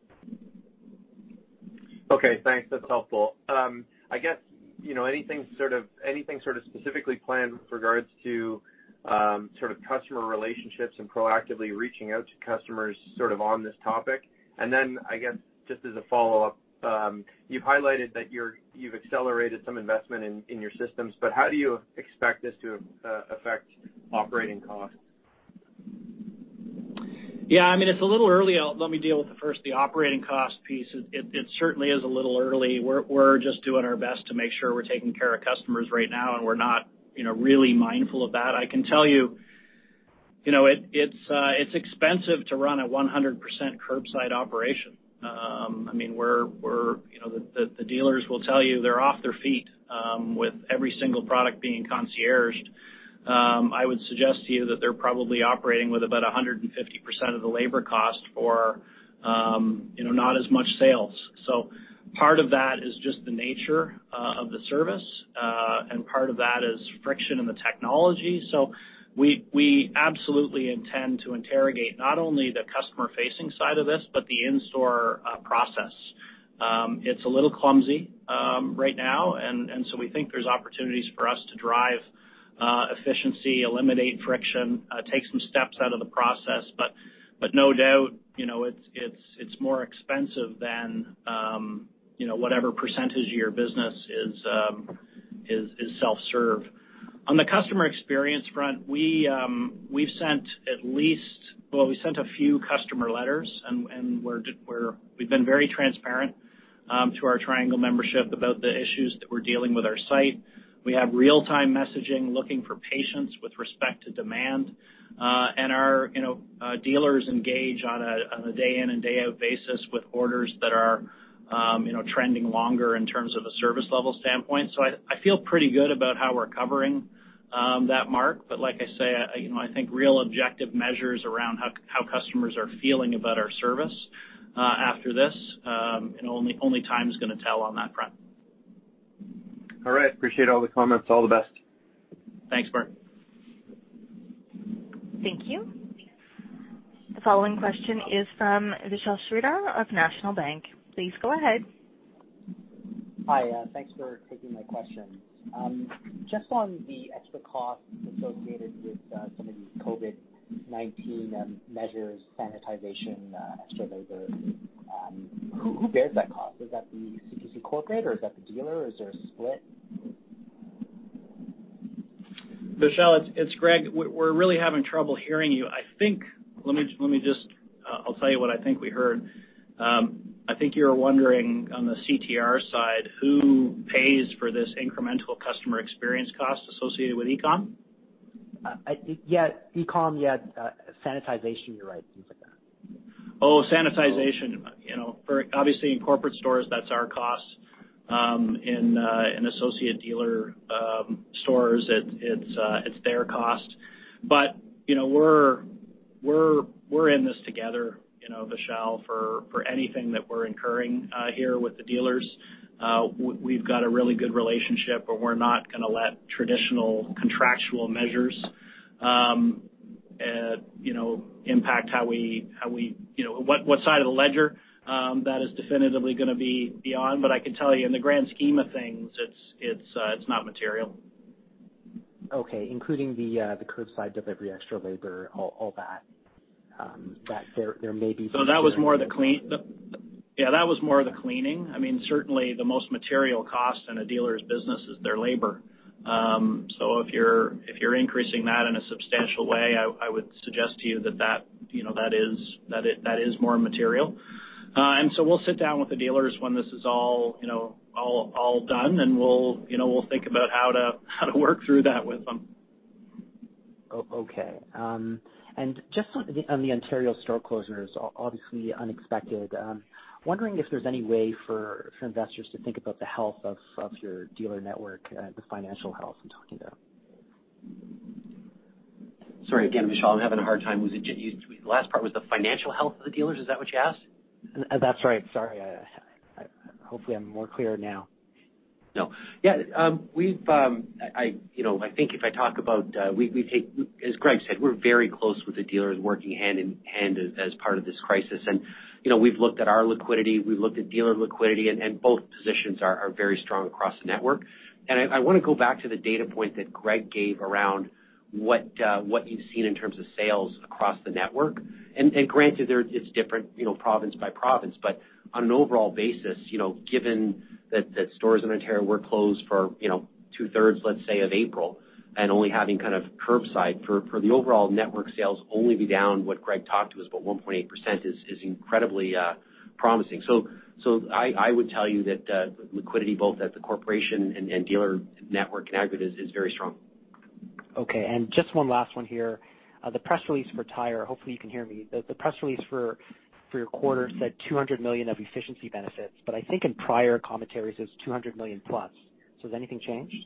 thanks. That's helpful. I guess, you know, anything sort of, anything sort of specifically planned with regards to, sort of customer relationships and proactively reaching out to customers sort of on this topic? And then, I guess, just as a follow-up, you've highlighted that you've accelerated some investment in, in your systems, but how do you expect this to affect operating costs? Yeah, I mean, it's a little early. Let me deal with the first, the operating cost piece. It certainly is a little early. We're just doing our best to make sure we're taking care of customers right now, and we're not, you know, really mindful of that. I can tell you, you know, it's expensive to run a 100% curbside operation. I mean, you know, the dealers will tell you, they're off their feet with every single product being concierged. I would suggest to you that they're probably operating with about 150% of the labor cost for, you know, not as much sales. So part of that is just the nature of the service, and part of that is friction in the technology. So we, we absolutely intend to interrogate not only the customer-facing side of this, but the in-store process. It's a little clumsy right now, and so we think there's opportunities for us to drive efficiency, eliminate friction, take some steps out of the process, but no doubt, you know, it's more expensive than you know, whatever percentage of your business is self-serve. On the customer experience front, we've sent at least a few customer letters, and we've been very transparent to our Triangle membership about the issues that we're dealing with our site. We have real-time messaging, looking for patience with respect to demand. And our, you know, dealers engage on a day in and day out basis with orders that are, you know, trending longer in terms of a service level standpoint. So I feel pretty good about how we're covering that, Mark. But like I say, you know, I think real objective measures around how customers are feeling about our service after this, and only time is gonna tell on that front. All right. Appreciate all the comments. All the best. Thanks, Mark. Thank you. The following question is from Vishal Shreedhar of National Bank. Please go ahead. Hi, thanks for taking my questions. Just on the extra costs associated with some of these COVID-19 measures, sanitization, extra labor, who bears that cost? Is that the CTC corporate, or is that the dealer, or is there a split? Vishal, it's Greg. We're really having trouble hearing you. I think, let me just, I'll tell you what I think we heard. I think you were wondering, on the CTR side, who pays for this incremental customer experience cost associated with e-com? Yeah, e-com, yeah, sanitization. You're right. Things like that. Oh, sanitization. You know, for obviously, in corporate stores, that's our cost. In associate dealer stores, it's their cost. But, you know, we're in this together, you know, Vishal, for anything that we're incurring here with the dealers. We've got a really good relationship, but we're not gonna let traditional contractual measures, you know, impact how we, you know, what side of the ledger that is definitively gonna be beyond. But I can tell you, in the grand scheme of things, it's not material. Okay, including the curbside delivery, extra labor, all that, that there may be. That was more the cleaning. Yeah, that was more the cleaning. I mean, certainly, the most material cost in a dealer's business is their labor. So if you're increasing that in a substantial way, I would suggest to you that, that, you know, that is, that is, that is more material. And so we'll sit down with the dealers when this is all, you know, all, all done, and we'll, you know, we'll think about how to, how to work through that with them. Okay. And just on the, on the Ontario store closures, obviously unexpected. Wondering if there's any way for, for investors to think about the health of, of your dealer network, the financial health I'm talking about? Sorry, again, Vishal, I'm having a hard time. Was it, the last part, was the financial health of the dealers? Is that what you asked? That's right. Sorry. Hopefully, I'm more clear now. No. Yeah, you know, I think if I talk about, we take, as Greg said, we're very close with the dealers, working hand in hand as part of this crisis. You know, we've looked at our liquidity, we've looked at dealer liquidity, and both positions are very strong across the network. I wanna go back to the data point that Greg gave around what you've seen in terms of sales across the network. And granted, they're, it's different, you know, province by province, but on an overall basis, you know, given that stores in Ontario were closed for, you know, two-thirds, let's say, of April, and only having kind of curbside, for the overall network sales only be down, what Greg talked to us about 1.8% is incredibly promising. So I would tell you that liquidity, both at the corporation and dealer network in aggregate, is very strong. Okay, and just one last one here. The press release for Canadian Tire, hopefully, you can hear me. The press release for your quarter said 200 million of efficiency benefits, but I think in prior commentaries, it was 200 million plus. So has anything changed?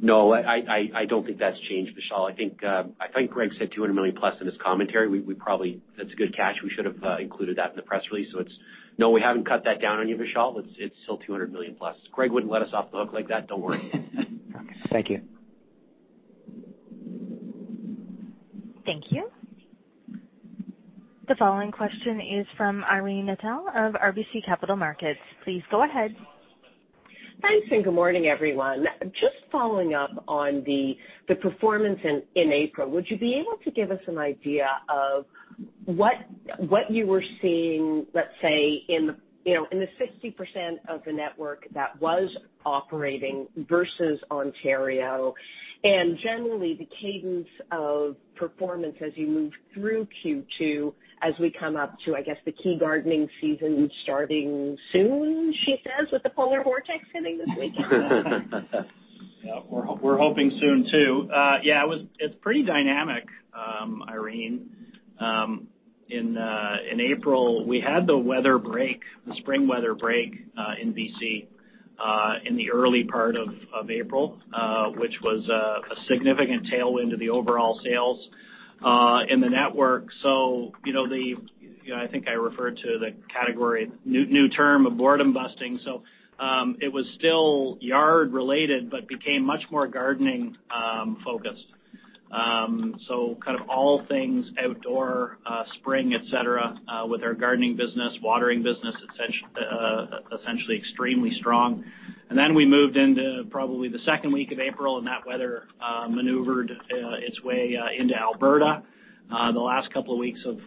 No, I don't think that's changed, Vishal. I think, I think Greg said 200 million plus in his commentary. We probably. That's a good catch. We should have included that in the press release. So it's, no, we haven't cut that down on you, Vishal. It's still 200 million plus. Greg wouldn't let us off the hook like that, don't worry. Thank you. Thank you. The following question is from Irene Nattel of RBC Capital Markets. Please go ahead. Thanks, and good morning, everyone. Just following up on the performance in April, would you be able to give us an idea of what you were seeing, let's say, you know, in the 60% of the network that was operating versus Ontario, and generally, the cadence of performance as you move through Q2, as we come up to, I guess, the key gardening season starting soon, she says, with the polar vortex hitting this weekend? Yeah, we're hoping soon, too. Yeah, it's pretty dynamic, Irene. In April, we had the weather break, the spring weather break, in BC, in the early part of April, which was a significant tailwind to the overall sales in the network. So, you know, I think I referred to the category, new term of boredom busting. So, it was still yard related, but became much more gardening focused. So, kind of all things outdoor, spring, etc, with our gardening business, watering business, essentially extremely strong. And then we moved into probably the second week of April, and that weather maneuvered its way into Alberta. The last couple of weeks of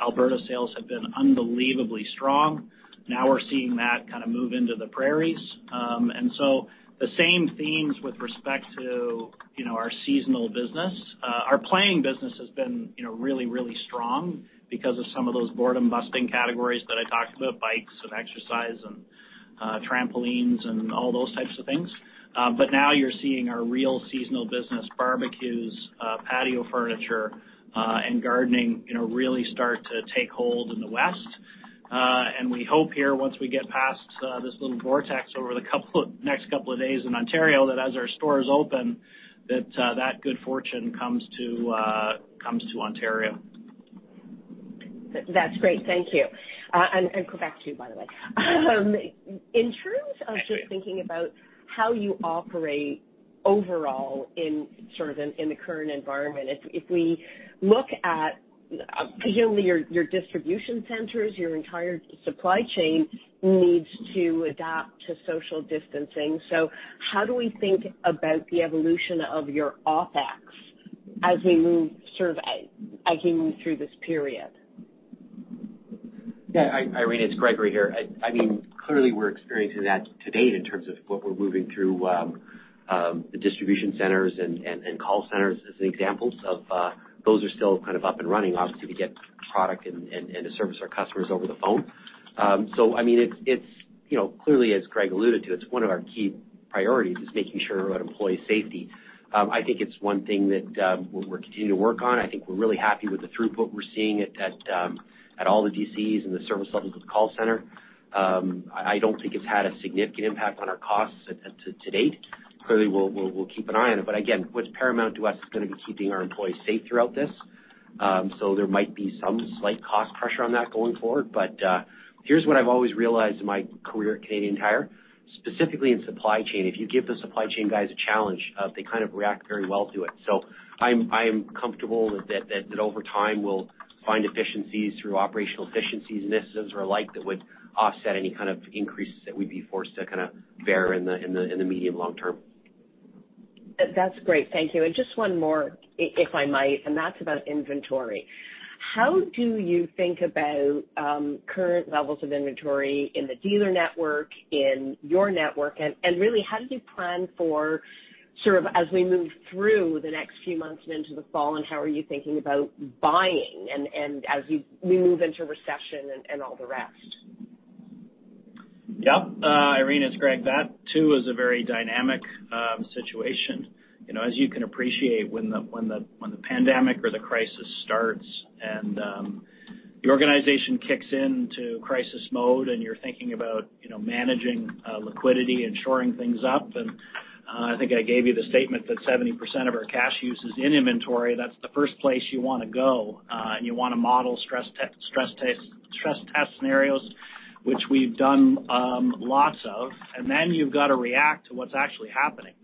Alberta sales have been unbelievably strong. Now we're seeing that kind of move into the prairies. And so the same themes with respect to, you know, our seasonal business. Our playing business has been, you know, really, really strong because of some of those boredom-busting categories that I talked about, bikes and exercise and trampolines and all those types of things. But now you're seeing our real seasonal business, barbecues, patio furniture, and gardening, you know, really start to take hold in the West. And we hope here, once we get past this little vortex over the next couple of days in Ontario, that as our stores open, that good fortune comes to Ontario. That's great. Thank you. And go back to you, by the way. In terms of just thinking about how you operate overall in sort of the current environment, if we look at, you know, your distribution centers, your entire supply chain needs to adapt to social distancing. So how do we think about the evolution of your OpEx as we move sort of through this period? Yeah, Irene, it's Gregory here. I mean, clearly, we're experiencing that to date in terms of what we're moving through the distribution centers and call centers as examples of. Those are still kind of up and running. Obviously, we get product and to service our customers over the phone. So I mean, it's you know, clearly, as Greg alluded to, it's one of our key priorities is making sure about employee safety. I think it's one thing that we're continuing to work on. I think we're really happy with the throughput we're seeing at all the DCs and the service levels of the call center. I don't think it's had a significant impact on our costs to date. Clearly, we'll keep an eye on it, but again, what's paramount to us is gonna be keeping our employees safe throughout this. So there might be some slight cost pressure on that going forward, but here's what I've always realized in my career at Canadian Tire, specifically in supply chain, if you give the supply chain guys a challenge, they kind of react very well to it. So I'm comfortable that over time, we'll find efficiencies through operational efficiencies and initiatives or the like, that would offset any kind of increases that we'd be forced to kind of bear in the medium long-term. That's great. Thank you. And just one more, if I might, and that's about inventory. How do you think about current levels of inventory in the dealer network, in your network, and really, how do you plan for sort of as we move through the next few months and into the fall, and how are you thinking about buying and as we move into recession and all the rest? Yep. Irene, it's Greg. That, too, is a very dynamic situation. You know, as you can appreciate, when the pandemic or the crisis starts and the organization kicks into crisis mode, and you're thinking about, you know, managing liquidity and shoring things up, and I think I gave you the statement that 70% of our cash use is in inventory. That's the first place you want to go, and you want to model stress test scenarios, which we've done lots of, and then you've got to react to what's actually happening,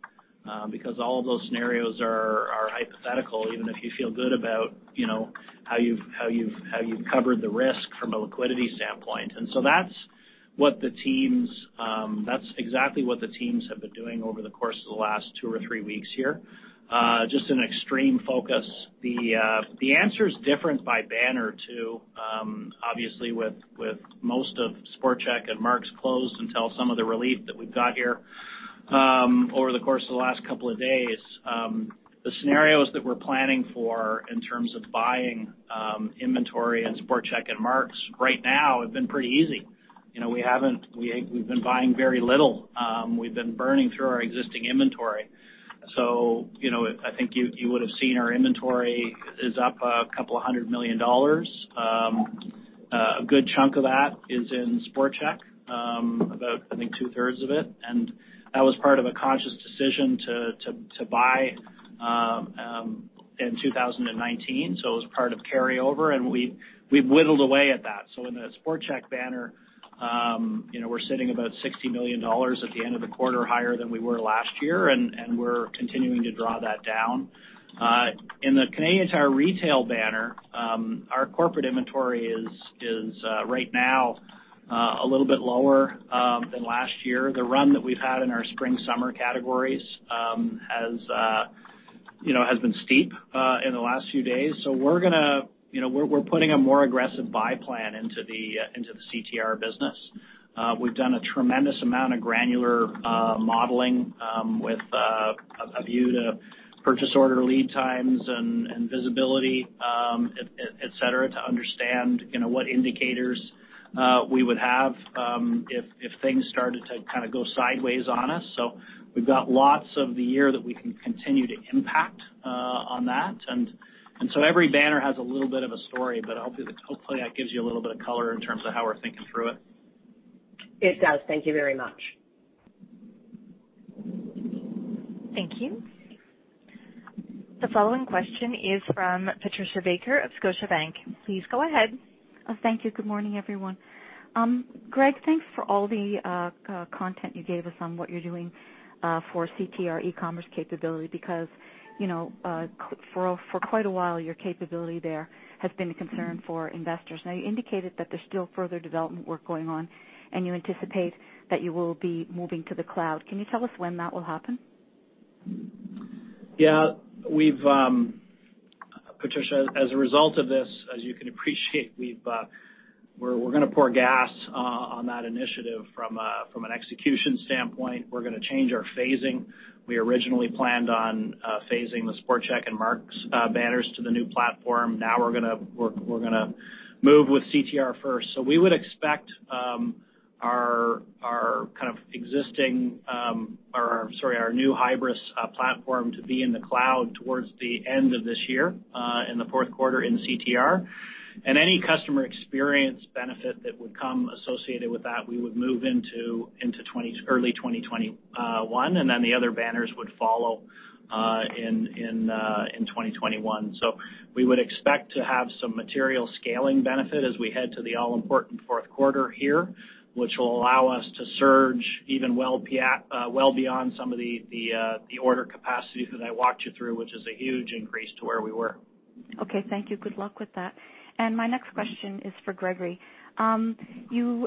because all of those scenarios are hypothetical, even if you feel good about, you know, how you've covered the risk from a liquidity standpoint. So that's what the teams, that's exactly what the teams have been doing over the course of the last two or three weeks here. Just an extreme focus. The answer is different by banner, too. Obviously, with most of Sport Chek and Mark's closed until some of the relief that we've got here, over the course of the last couple of days. The scenarios that we're planning for in terms of buying inventory and Sport Chek and Mark's right now have been pretty easy. You know, we haven't. We've been buying very little. We've been burning through our existing inventory. So, you know, I think you would have seen our inventory is up 200 million dollars. A good chunk of that is in Sport Chek, about, I think, two-thirds of it, and that was part of a conscious decision to buy in 2019, so it was part of carryover, and we've whittled away at that. So in the Sport Chek banner, you know, we're sitting about 60 million dollars at the end of the quarter, higher than we were last year, and we're continuing to draw that down. In the Canadian Tire Retail banner, our corporate inventory is right now a little bit lower than last year. The run that we've had in our spring, summer categories has, you know, has been steep in the last few days. So we're gonna, you know, we're putting a more aggressive buy plan into the CTR business. We've done a tremendous amount of granular modeling with a view to purchase order lead times and visibility etc to understand, you know, what indicators we would have if things started to kind of go sideways on us. So we've got lots of the year that we can continue to impact on that. And so every banner has a little bit of a story, but hopefully that gives you a little bit of color in terms of how we're thinking through it. It does. Thank you very much. Thank you. The following question is from Patricia Baker of Scotiabank. Please go ahead. Oh, thank you. Good morning, everyone. Greg, thanks for all the content you gave us on what you're doing for CTR e-commerce capability, because, you know, for quite a while, your capability there has been a concern for investors. Now, you indicated that there's still further development work going on, and you anticipate that you will be moving to the cloud. Can you tell us when that will happen? Yeah. Patricia, as a result of this, as you can appreciate, we're gonna pour gas on that initiative from an execution standpoint. We're gonna change our phasing. We originally planned on phasing the Sport Chek and Mark's banners to the new platform. Now, we're gonna move with CTR first. So we would expect our new Hybris platform to be in the cloud towards the end of this year, in the fourth quarter in CTR. And any customer experience benefit that would come associated with that, we would move into early 2021, and then the other banners would follow in 2021. So we would expect to have some material scaling benefit as we head to the all-important fourth quarter here, which will allow us to surge even well beyond some of the order capacities that I walked you through, which is a huge increase to where we were. Okay, thank you. Good luck with that. And my next question is for Gregory. Your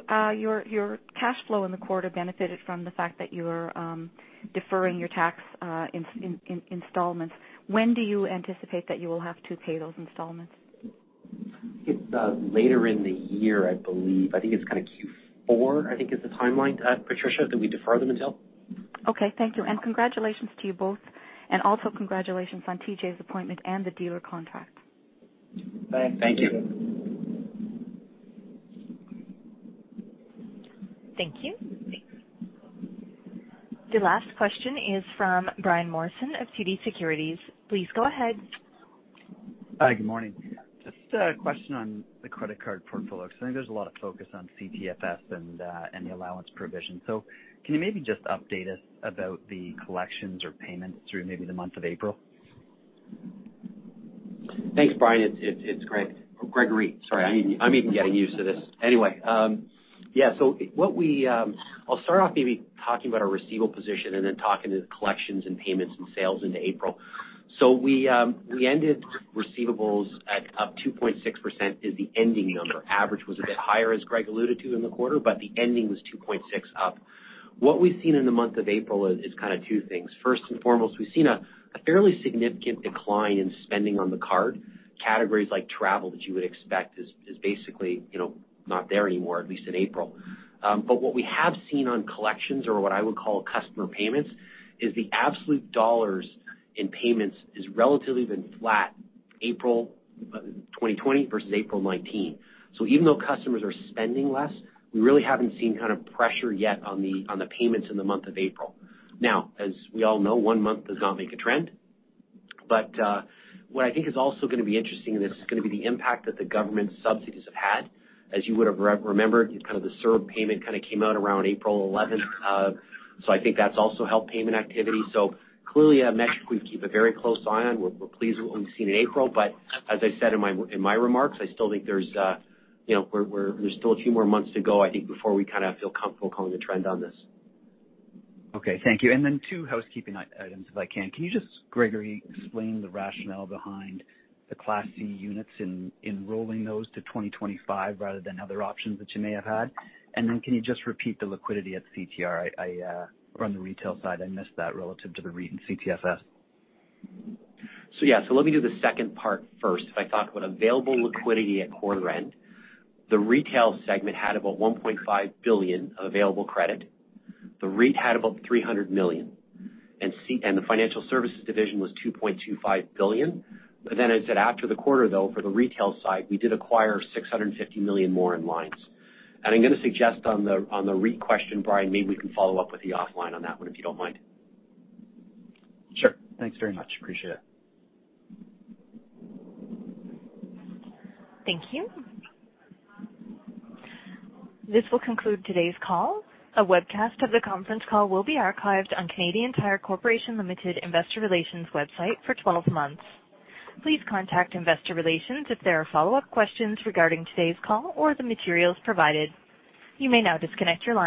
cash flow in the quarter benefited from the fact that you're deferring your tax in installments. When do you anticipate that you will have to pay those installments? It's later in the year, I believe. I think it's kind of Q4, I think, is the timeline, Patricia, that we defer them until. Okay, thank you, and congratulations to you both. Also congratulations on TJ's appointment and the dealer contract. Thanks. Thank you. Thank you. The last question is from Brian Morrison of TD Securities. Please go ahead. Hi, good morning. Just a question on the credit card portfolio, because I think there's a lot of focus on CTFS and, and the allowance provision. So can you maybe just update us about the collections or payments through maybe the month of April? Thanks, Brian. It's Gregory. Sorry, I'm even getting used to this. Anyway, yeah, so what we'll start off maybe talking about our receivable position and then talking to the collections and payments and sales into April. So we ended receivables at up 2.6% is the ending number. Average was a bit higher, as Greg alluded to in the quarter, but the ending was 2.6%, up. What we've seen in the month of April is kind of two things. First and foremost, we've seen a fairly significant decline in spending on the card. Categories like travel, that you would expect, is basically, you know, not there anymore, at least in April. But what we have seen on collections, or what I would call customer payments, is the absolute dollars in payments is relatively been flat, April 2020 versus April 2019. So even though customers are spending less, we really haven't seen kind of pressure yet on the, on the payments in the month of April. Now, as we all know, one month does not make a trend. But, what I think is also gonna be interesting, and this is gonna be the impact that the government subsidies have had. As you would have remembered, kind of the CERB payment kind of came out around April 11. So I think that's also helped payment activity. So clearly, a metric we keep a very close eye on. We're pleased with what we've seen in April, but as I said in my remarks, I still think there's, you know, there's still a few more months to go, I think, before we kind of feel comfortable calling a trend on this. Okay, thank you. And then two housekeeping items, if I can. Can you just, Gregory, explain the rationale behind the Class C units in enrolling those to 2025 rather than other options that you may have had? And then, can you just repeat the liquidity at CTR? On the retail side, I missed that relative to the REIT and CTFS. So yeah, so let me do the second part first. If I thought about available liquidity at quarter-end, the retail segment had about 1.5 billion of available credit. The REIT had about 300 million, and the Financial Services division was 2.25 billion. But then as I said, after the quarter, though, for the retail side, we did acquire 650 million more in lines. And I'm gonna suggest on the REIT question, Brian, maybe we can follow up with you offline on that one, if you don't mind. Sure. Thanks very much. Appreciate it. Thank you. This will conclude today's call. A webcast of the conference call will be archived on Canadian Tire Corporation Limited Investor Relations website for 12 months. Please contact Investor Relations if there are follow-up questions regarding today's call or the materials provided. You may now disconnect your line.